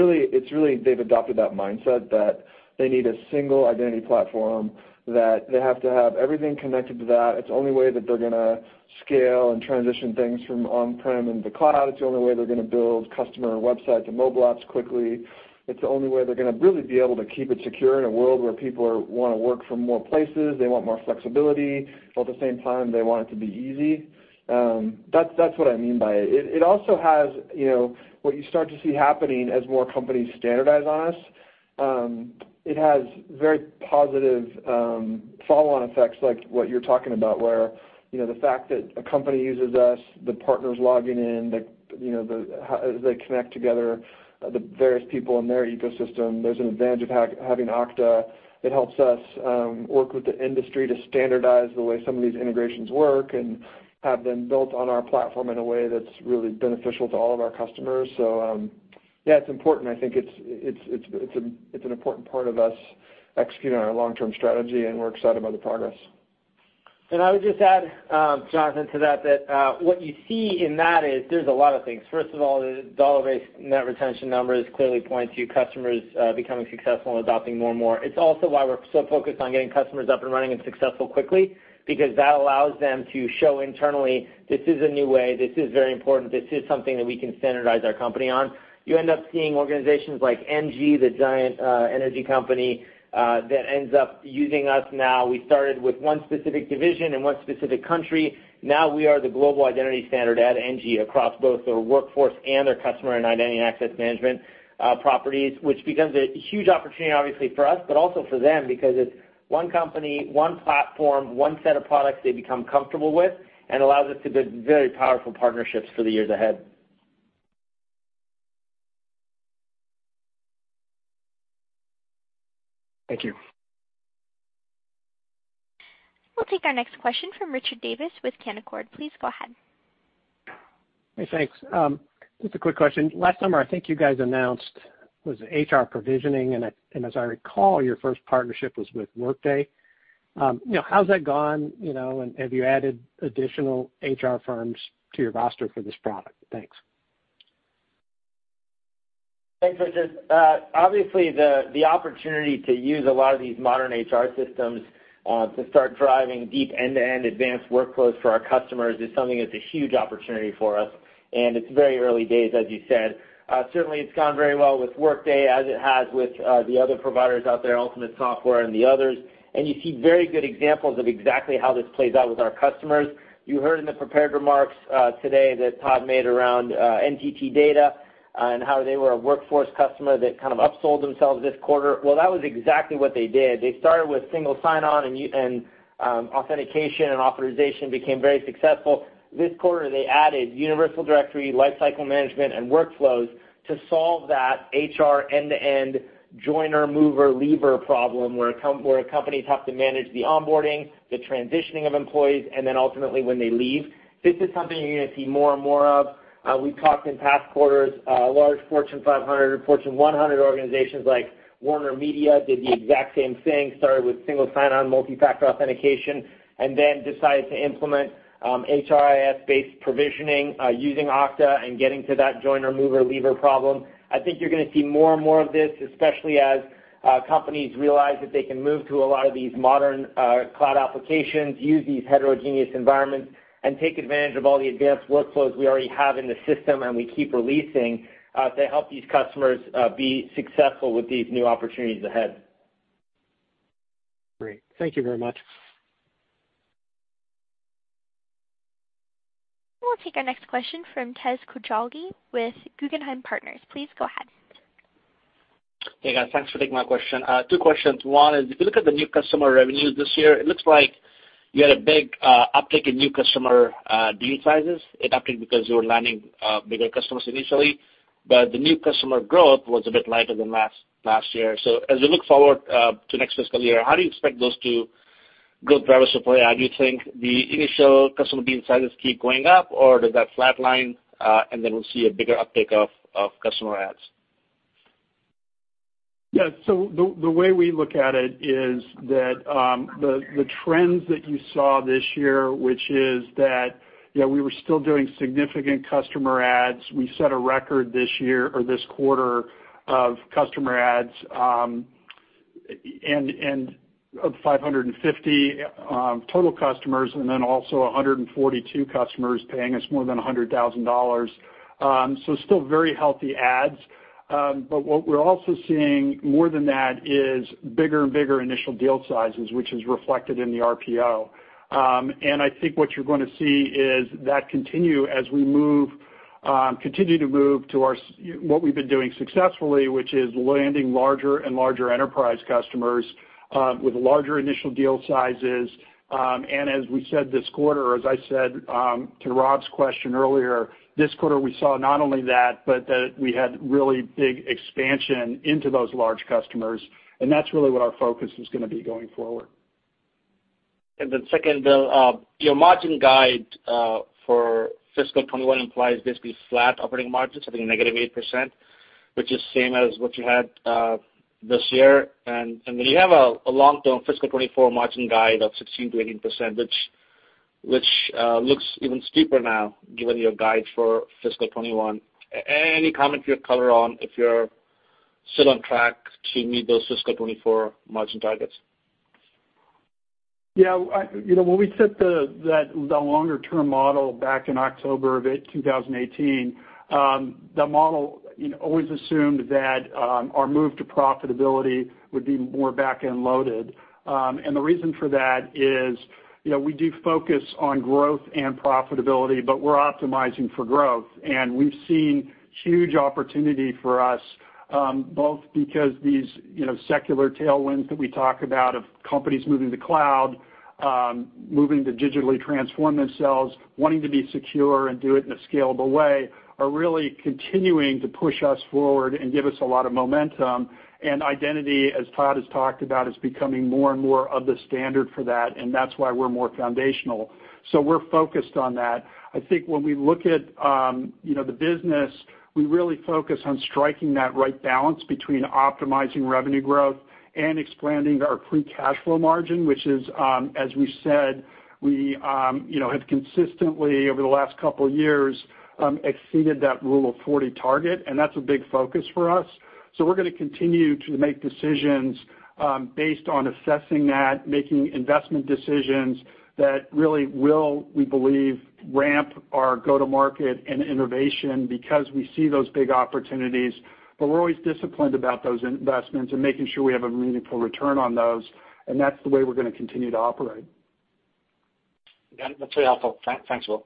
really they've adopted that mindset that they need a single identity platform, that they have to have everything connected to that. It's the only way that they're going to scale and transition things from on-prem into the cloud. It's the only way they're going to build customer websites and mobile apps quickly. It's the only way they're going to really be able to keep it secure in a world where people want to work from more places. They want more flexibility, at the same time, they want it to be easy. That's what I mean by it. What you start to see happening as more companies standardize on us, it has very positive follow-on effects, like what you're talking about, where the fact that a company uses us, the partners logging in, as they connect together the various people in their ecosystem, there's an advantage of having Okta. It helps us work with the industry to standardize the way some of these integrations work and have them built on our platform in a way that's really beneficial to all of our customers. Yeah, it's important. I think it's an important part of us executing on our long-term strategy, and we're excited about the progress. I would just add, Jonathan, to that, what you see in that is there's a lot of things. First of all, the dollar-based net retention numbers clearly point to customers becoming successful and adopting more and more. It's also why we're so focused on getting customers up and running and successful quickly, because that allows them to show internally, this is a new way. This is very important. This is something that we can standardize our company on. You end up seeing organizations like Engie, the giant energy company, that ends up using us now. We started with one specific division in one specific country. Now we are the global identity standard at Engie across both their workforce and their customer and identity and access management properties, which becomes a huge opportunity, obviously, for us, but also for them, because it's one company, one platform, one set of products they become comfortable with and allows us to build very powerful partnerships for the years ahead. Thank you. We'll take our next question from Richard Davis with Canaccord. Please go ahead. Hey, thanks. Just a quick question. Last summer, I think you guys announced, was it HR provisioning? As I recall, your first partnership was with Workday. How's that gone, and have you added additional HR firms to your roster for this product? Thanks. Thanks, Richard. Obviously, the opportunity to use a lot of these modern HR systems to start driving deep end-to-end advanced Workflows for our customers is something that's a huge opportunity for us, and it's very early days, as you said. Certainly, it's gone very well with Workday, as it has with the other providers out there, Ultimate Software and the others. You see very good examples of exactly how this plays out with our customers. You heard in the prepared remarks today that Todd made around NTT Data and how they were a workforce customer that kind of upsold themselves this quarter. Well, that was exactly what they did. They started with single sign-on and authentication and authorization, became very successful. This quarter, they added Universal Directory, Lifecycle Management, and Workflows to solve that HR end-to-end joiner-mover-leaver problem, where companies have to manage the onboarding, the transitioning of employees, and then ultimately when they leave. This is something you're going to see more and more of. We talked in past quarters, large Fortune 500 or Fortune 100 organizations like WarnerMedia did the exact same thing, started with single sign-on, multifactor authentication, and then decided to implement HRIS-based provisioning using Okta and getting to that joiner-mover-leaver problem. I think you're going to see more and more of this, especially as companies realize that they can move to a lot of these modern cloud applications, use these heterogeneous environments, and take advantage of all the advanced Workflows we already have in the system and we keep releasing to help these customers be successful with these new opportunities ahead. Great. Thank you very much. We'll take our next question from Imtiaz Koujalgi with Guggenheim Partners. Please go ahead. Hey, guys. Thanks for taking my question. Two questions. One is, if you look at the new customer revenues this year, it looks like you had a big uptick in new customer deal sizes. It upped because you were landing bigger customers initially. The new customer growth was a bit lighter than last year. As we look forward to next fiscal year, how do you expect those two growth drivers to play out? Do you think the initial customer deal sizes keep going up, or does that flatline, and then we'll see a bigger uptick of customer adds? Yeah. The way we look at it is that the trends that you saw this year, which is that we were still doing significant customer adds. We set a record this quarter of customer adds of 550 total customers, also 142 customers paying us more than $100,000. Still very healthy adds. What we're also seeing more than that is bigger and bigger initial deal sizes, which is reflected in the RPO. I think what you're going to see is that continue as we continue to move to what we've been doing successfully, which is landing larger and larger enterprise customers with larger initial deal sizes. As we said this quarter, as I said to Rob's question earlier, this quarter, we saw not only that, but that we had really big expansion into those large customers, and that's really what our focus is going to be going forward. Second, Bill, your margin guide for fiscal 2021 implies basically flat operating margins, I think -8%. Which is same as what you had this year. When you have a long-term fiscal 2024 margin guide of 16%-18%, which looks even steeper now given your guide for fiscal 2021. Any comment you could color on if you're still on track to meet those fiscal 2024 margin targets? When we set the longer-term model back in October 2018, the model always assumed that our move to profitability would be more back-end loaded. The reason for that is we do focus on growth and profitability, but we're optimizing for growth. We've seen huge opportunity for us, both because these secular tailwinds that we talk about of companies moving to cloud, moving to digitally transform themselves, wanting to be secure and do it in a scalable way, are really continuing to push us forward and give us a lot of momentum. Identity, as Todd has talked about, is becoming more and more of the standard for that, and that's why we're more foundational. We're focused on that. I think when we look at the business, we really focus on striking that right balance between optimizing revenue growth and expanding our free cash flow margin, which is, as we said, we have consistently over the last couple of years, exceeded that rule of 40 target, and that's a big focus for us. We're going to continue to make decisions based on assessing that, making investment decisions that really will, we believe, ramp our go-to-market and innovation because we see those big opportunities. We're always disciplined about those investments and making sure we have a meaningful return on those, and that's the way we're going to continue to operate. Yeah. That's very helpful. Thanks, Bill.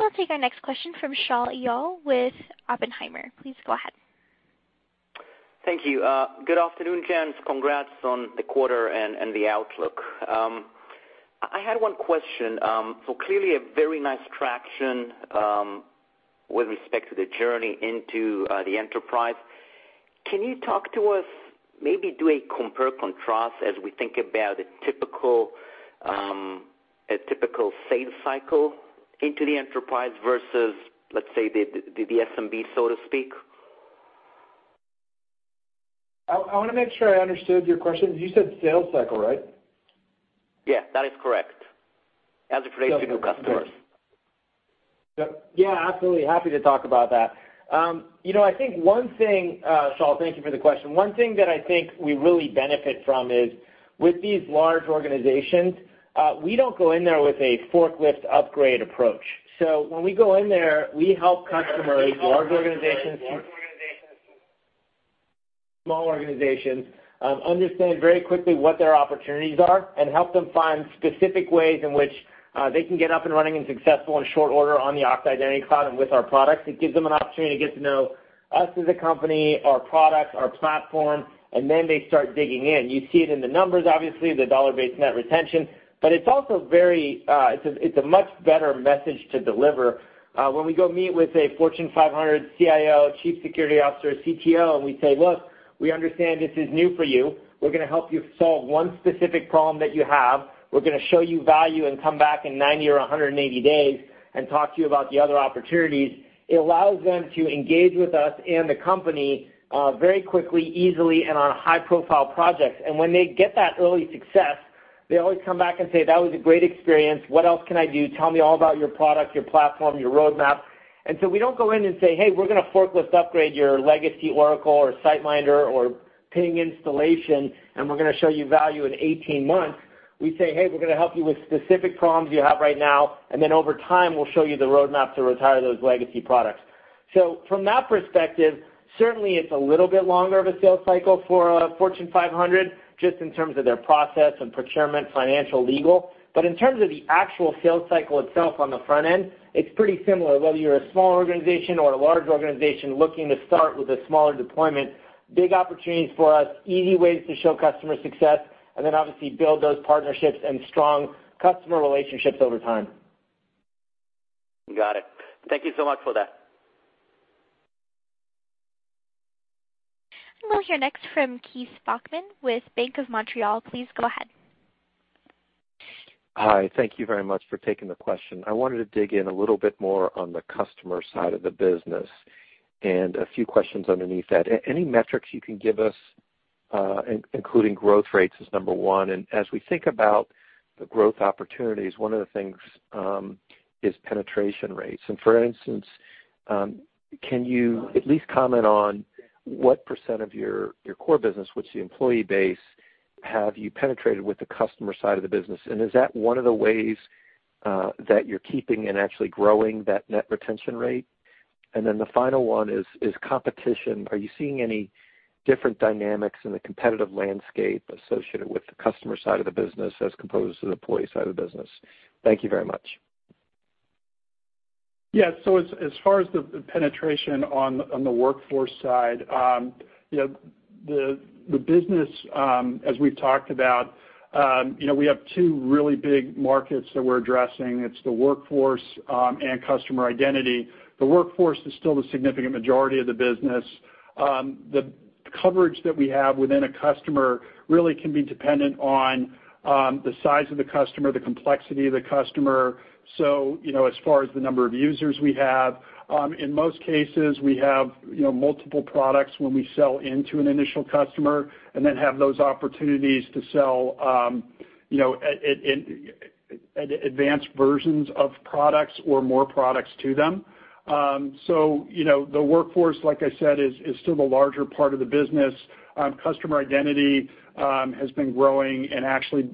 We'll take our next question from Shaul Eyal with Oppenheimer. Please go ahead. Thank you. Good afternoon, gents. Congrats on the quarter and the outlook. I had one question. Clearly a very nice traction, with respect to the journey into the enterprise. Can you talk to us, maybe do a compare, contrast as we think about a typical sales cycle into the enterprise versus, let's say, the SMB, so to speak? I want to make sure I understood your question. You said sales cycle, right? Yeah, that is correct. As it relates to new customers. Yeah, absolutely. Happy to talk about that. Shaul, thank you for the question. One thing that I think we really benefit from is with these large organizations, we don't go in there with a forklift upgrade approach. When we go in there, we help customers, large organizations, small organizations, understand very quickly what their opportunities are and help them find specific ways in which they can get up and running and successful in short order on the Okta Identity Cloud and with our products. It gives them an opportunity to get to know us as a company, our products, our platform, and then they start digging in. You see it in the numbers, obviously, the dollar-based net retention, but it's a much better message to deliver when we go meet with a Fortune 500 CIO, Chief Security Officer, CTO, and we say, "Look, we understand this is new for you. We're going to help you solve one specific problem that you have. We're going to show you value and come back in 90 or 180 days and talk to you about the other opportunities." It allows them to engage with us and the company, very quickly, easily, and on high-profile projects. When they get that early success, they always come back and say, "That was a great experience. What else can I do? Tell me all about your product, your platform, your roadmap." We don't go in and say, "Hey, we're going to forklift upgrade your legacy Oracle or SiteMinder or Ping installation, and we're going to show you value in 18 months." We say, "Hey, we're going to help you with specific problems you have right now, and then over time, we'll show you the roadmap to retire those legacy products." From that perspective, certainly it's a little bit longer of a sales cycle for a Fortune 500, just in terms of their process and procurement, financial, legal. In terms of the actual sales cycle itself on the front end, it's pretty similar, whether you're a small organization or a large organization looking to start with a smaller deployment. Big opportunities for us, easy ways to show customer success, and then obviously build those partnerships and strong customer relationships over time. Got it. Thank you so much for that. We'll hear next from Keith Bachman with Bank of Montreal. Please go ahead. Hi. Thank you very much for taking the question. I wanted to dig in a little bit more on the customer side of the business, and a few questions underneath that. Any metrics you can give us, including growth rates as number one? As we think about the growth opportunities, one of the things is penetration rates. For instance, can you at least comment on what percent of your core business, which is the employee base, have you penetrated with the customer side of the business? Is that one of the ways that you're keeping and actually growing that net retention rate? The final one is competition. Are you seeing any different dynamics in the competitive landscape associated with the customer side of the business as compared to the employee side of the business? Thank you very much. Yeah. As far as the penetration on the workforce side, the business, as we've talked about, we have two really big markets that we're addressing. It's the workforce and customer identity. The workforce is still the significant majority of the business. The coverage that we have within a customer really can be dependent on the size of the customer, the complexity of the customer. As far as the number of users we have, in most cases, we have multiple products when we sell into an initial customer, and then have those opportunities to sell advanced versions of products or more products to them. The workforce, like I said, is still the larger part of the business. Customer identity has been growing and actually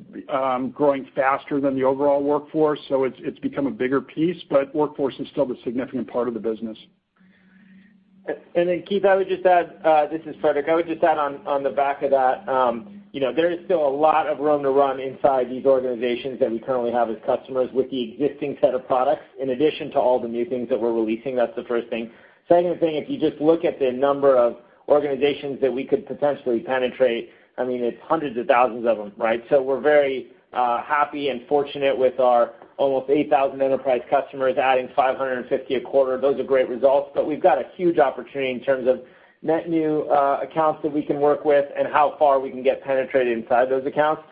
growing faster than the overall workforce. It's become a bigger piece, the workforce is still the significant part of the business. Keith, this is Frederic. I would just add on the back of that, there is still a lot of room to run inside these organizations that we currently have as customers with the existing set of products, in addition to all the new things that we're releasing. That's the first thing. Second thing, if you just look at the number of organizations that we could potentially penetrate, it's hundreds of thousands of them, right? We're very happy and fortunate with our almost 8,000 enterprise customers adding 550 a quarter. Those are great results, but we've got a huge opportunity in terms of net new accounts that we can work with and how far we can get penetrated inside those accounts.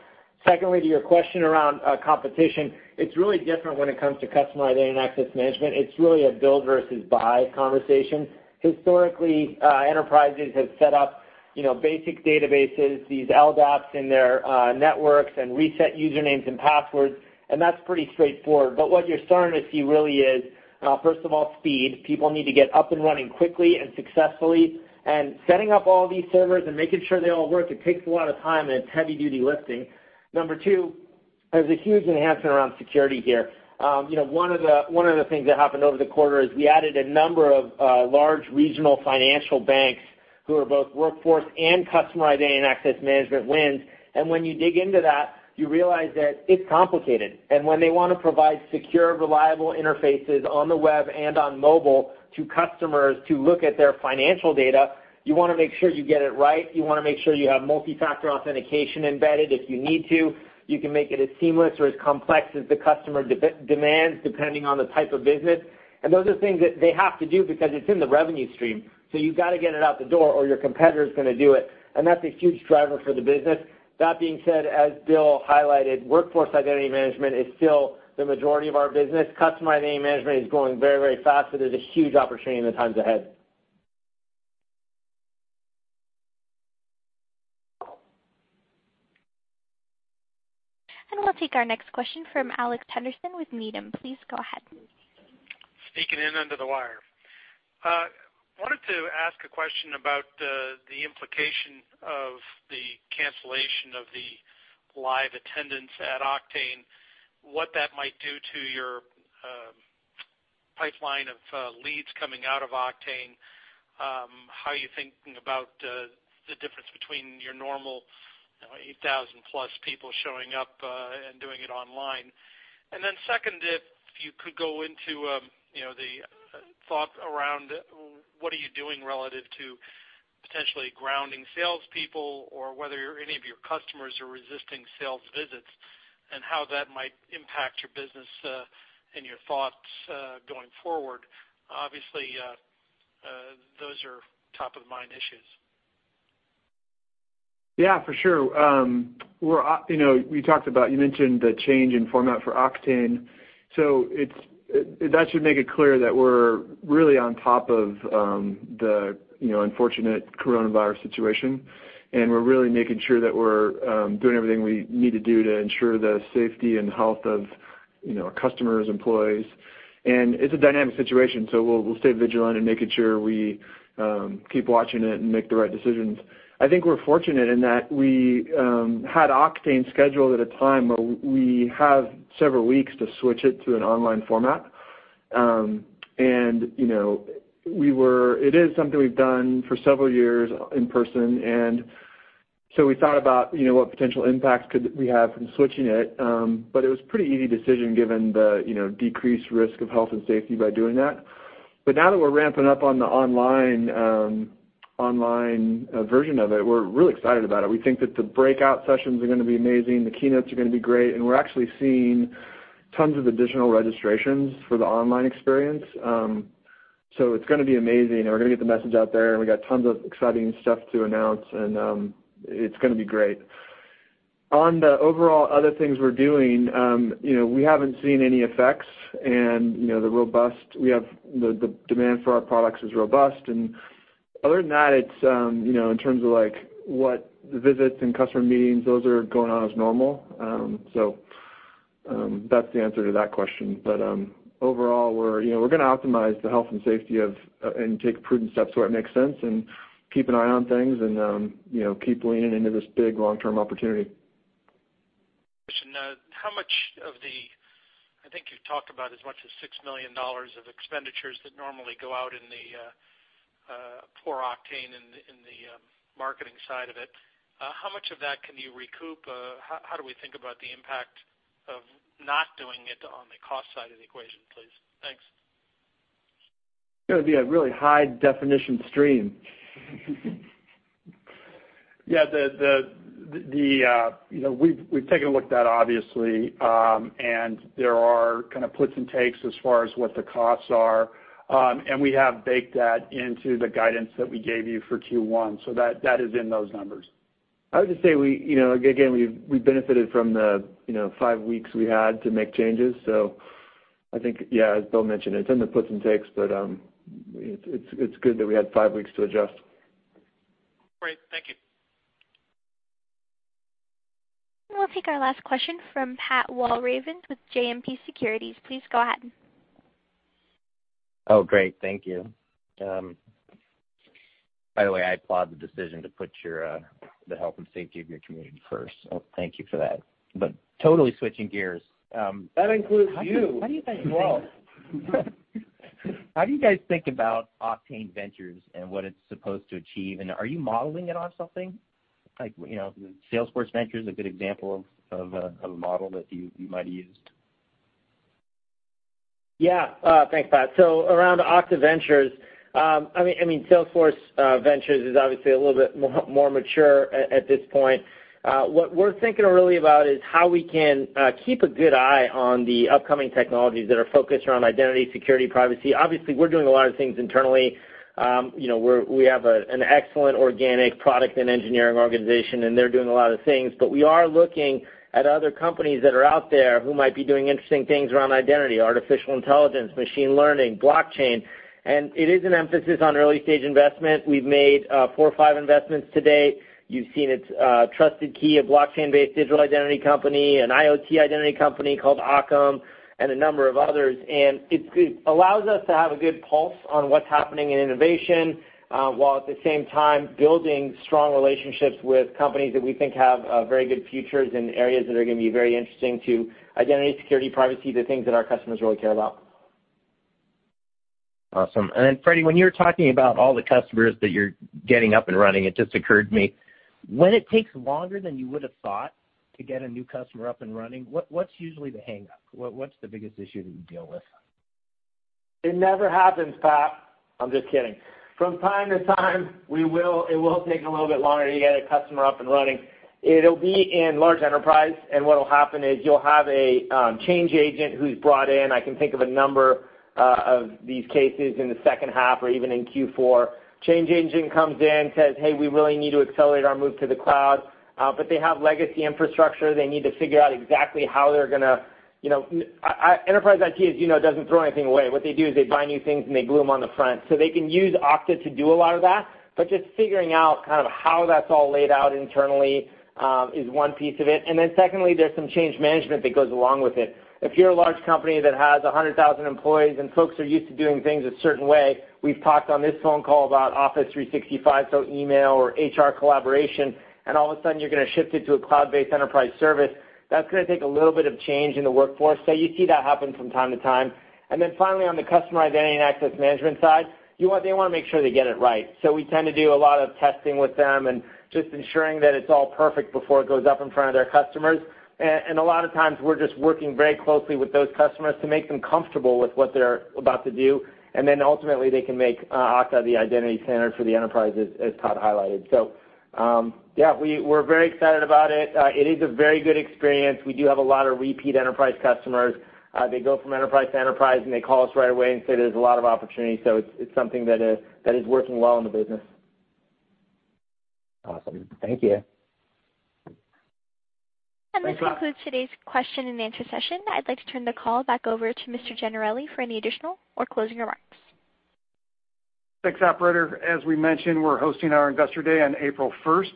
Secondly, to your question around competition, it's really different when it comes to customer identity and access management. It's really a build versus buy conversation. Historically, enterprises have set up basic databases, these LDAP in their networks, reset usernames and passwords, that's pretty straightforward. What you're starting to see really is, first of all, speed. People need to get up and running quickly and successfully. Setting up all these servers and making sure they all work, it takes a lot of time, it's heavy-duty lifting. Number two, there's a huge enhancement around security here. One of the things that happened over the quarter is we added a number of large regional financial banks who are both workforce and customer identity and access management wins. When you dig into that, you realize that it's complicated. When they want to provide secure, reliable interfaces on the web and on mobile to customers to look at their financial data, you want to make sure you get it right. You want to make sure you have multifactor authentication embedded if you need to. You can make it as seamless or as complex as the customer demands, depending on the type of business. Those are things that they have to do because it's in the revenue stream. You've got to get it out the door or your competitor's going to do it. That's a huge driver for the business. That being said, as Bill highlighted, Workforce Identity Management is still the majority of our business. Customer Identity Management is growing very fast, but there's a huge opportunity in the times ahead. We'll take our next question from Alex Henderson with Needham. Please go ahead. Speaking in under the wire. I wanted to ask a question about the implication of the cancellation of the live attendance at Oktane, what that might do to your pipeline of leads coming out of Oktane. How are you thinking about the difference between your normal 8,000+ people showing up and doing it online? Second, if you could go into the thought around what are you doing relative to potentially grounding salespeople or whether any of your customers are resisting sales visits, and how that might impact your business and your thoughts going forward. Obviously, those are top-of-mind issues. For sure. You mentioned the change in format for Oktane. That should make it clear that we're really on top of the unfortunate coronavirus situation, and we're really making sure that we're doing everything we need to do to ensure the safety and health of our customers, employees. It's a dynamic situation, so we'll stay vigilant in making sure we keep watching it and make the right decisions. I think we're fortunate in that we had Oktane scheduled at a time where we have several weeks to switch it to an online format. It is something we've done for several years in person, and so we thought about what potential impacts could we have from switching it. It was a pretty easy decision given the decreased risk of health and safety by doing that. Now that we're ramping up on the online version of it, we're really excited about it. We think that the breakout sessions are going to be amazing, the keynotes are going to be great, and we're actually seeing tons of additional registrations for the online experience. It's going to be amazing, and we're going to get the message out there, and we got tons of exciting stuff to announce, and it's going to be great. On the overall other things we're doing, we haven't seen any effects, and the demand for our products is robust. Other than that, in terms of visits and customer meetings, those are going on as normal. That's the answer to that question. Overall, we're going to optimize the health and safety of and take prudent steps where it makes sense and keep an eye on things and keep leaning into this big long-term opportunity. Question. I think you've talked about as much as $6 million of expenditures that normally go out for Oktane in the marketing side of it. How much of that can you recoup? How do we think about the impact of not doing it on the cost side of the equation, please? Thanks. It's going to be a really high-definition stream. Yeah. We've taken a look at that obviously, and there are kind of puts and takes as far as what the costs are. We have baked that into the guidance that we gave you for Q1. That is in those numbers. I would just say, again, we benefited from the five weeks we had to make changes. I think, yeah, as Bill mentioned, it's in the puts and takes, but it's good that we had five weeks to adjust. Great. Thank you. We'll take our last question from Patrick Walravens with JMP Securities. Please go ahead. Oh, great. Thank you. By the way, I applaud the decision to put the health and safety of your community first. Thank you for that. Totally switching gears. That includes you as well. How do you guys think about Okta Ventures and what it's supposed to achieve, and are you modeling it on something? Like Salesforce Ventures is a good example of a model that you might have used. Yeah. Thanks, Patrick. Around Okta Ventures, I mean Salesforce Ventures is obviously a little bit more mature at this point. What we're thinking really about is how we can keep a good eye on the upcoming technologies that are focused around identity, security, privacy. Obviously, we're doing a lot of things internally. We have an excellent organic product and engineering organization, and they're doing a lot of things. We are looking at other companies that are out there who might be doing interesting things around identity, artificial intelligence, machine learning, blockchain. It is an emphasis on early-stage investment. We've made four or five investments to date. You've seen it, Trusted Key, a blockchain-based digital identity company, an IoT identity company called Occam, and a number of others. It allows us to have a good pulse on what's happening in innovation, while at the same time, building strong relationships with companies that we think have very good futures in areas that are going to be very interesting to identity, security, privacy, the things that our customers really care about. Awesome. Frederic, when you were talking about all the customers that you're getting up and running, it just occurred to me. When it takes longer than you would have thought to get a new customer up and running, what's usually the hang-up? What's the biggest issue that you deal with? It never happens, Patrick. I'm just kidding. From time to time, it will take a little bit longer to get a customer up and running. It'll be in large enterprise, what'll happen is you'll have a change agent who's brought in. I can think of a number of these cases in the H2 or even in Q4. Change agent comes in, says, "Hey, we really need to accelerate our move to the cloud." They have legacy infrastructure. They need to figure out exactly how they're going to. Enterprise IT, as you know, doesn't throw anything away. What they do is they buy new things, and they glue them on the front. They can use Okta to do a lot of that, but just figuring out how that's all laid out internally is one piece of it. Secondly, there's some change management that goes along with it. If you're a large company that has 100,000 employees and folks are used to doing things a certain way, we've talked on this phone call about Office 365, so email or HR collaboration, and all of a sudden, you're going to shift it to a cloud-based enterprise service. That's going to take a little bit of change in the workforce. You see that happen from time to time. Finally, on the customer identity and access management side, they want to make sure they get it right. We tend to do a lot of testing with them and just ensuring that it's all perfect before it goes up in front of their customers. A lot of times, we're just working very closely with those customers to make them comfortable with what they're about to do. Ultimately, they can make Okta the identity center for the enterprise, as Todd highlighted. Yeah, we're very excited about it. It is a very good experience. We do have a lot of repeat enterprise customers. They go from enterprise to enterprise, and they call us right away and say there's a lot of opportunity. It's something that is working well in the business. Awesome. Thank you. Thanks, Patrick. This concludes today's question and answer session. I'd like to turn the call back over to Mr. Gennarelli for any additional or closing remarks. Thanks, operator. As we mentioned, we're hosting our Investor Day on April 1st.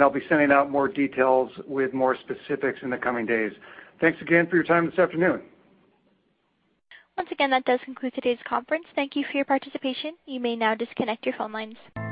I'll be sending out more details with more specifics in the coming days. Thanks again for your time this afternoon. Once again, that does conclude today's conference. Thank you for your participation. You may now disconnect your phone lines.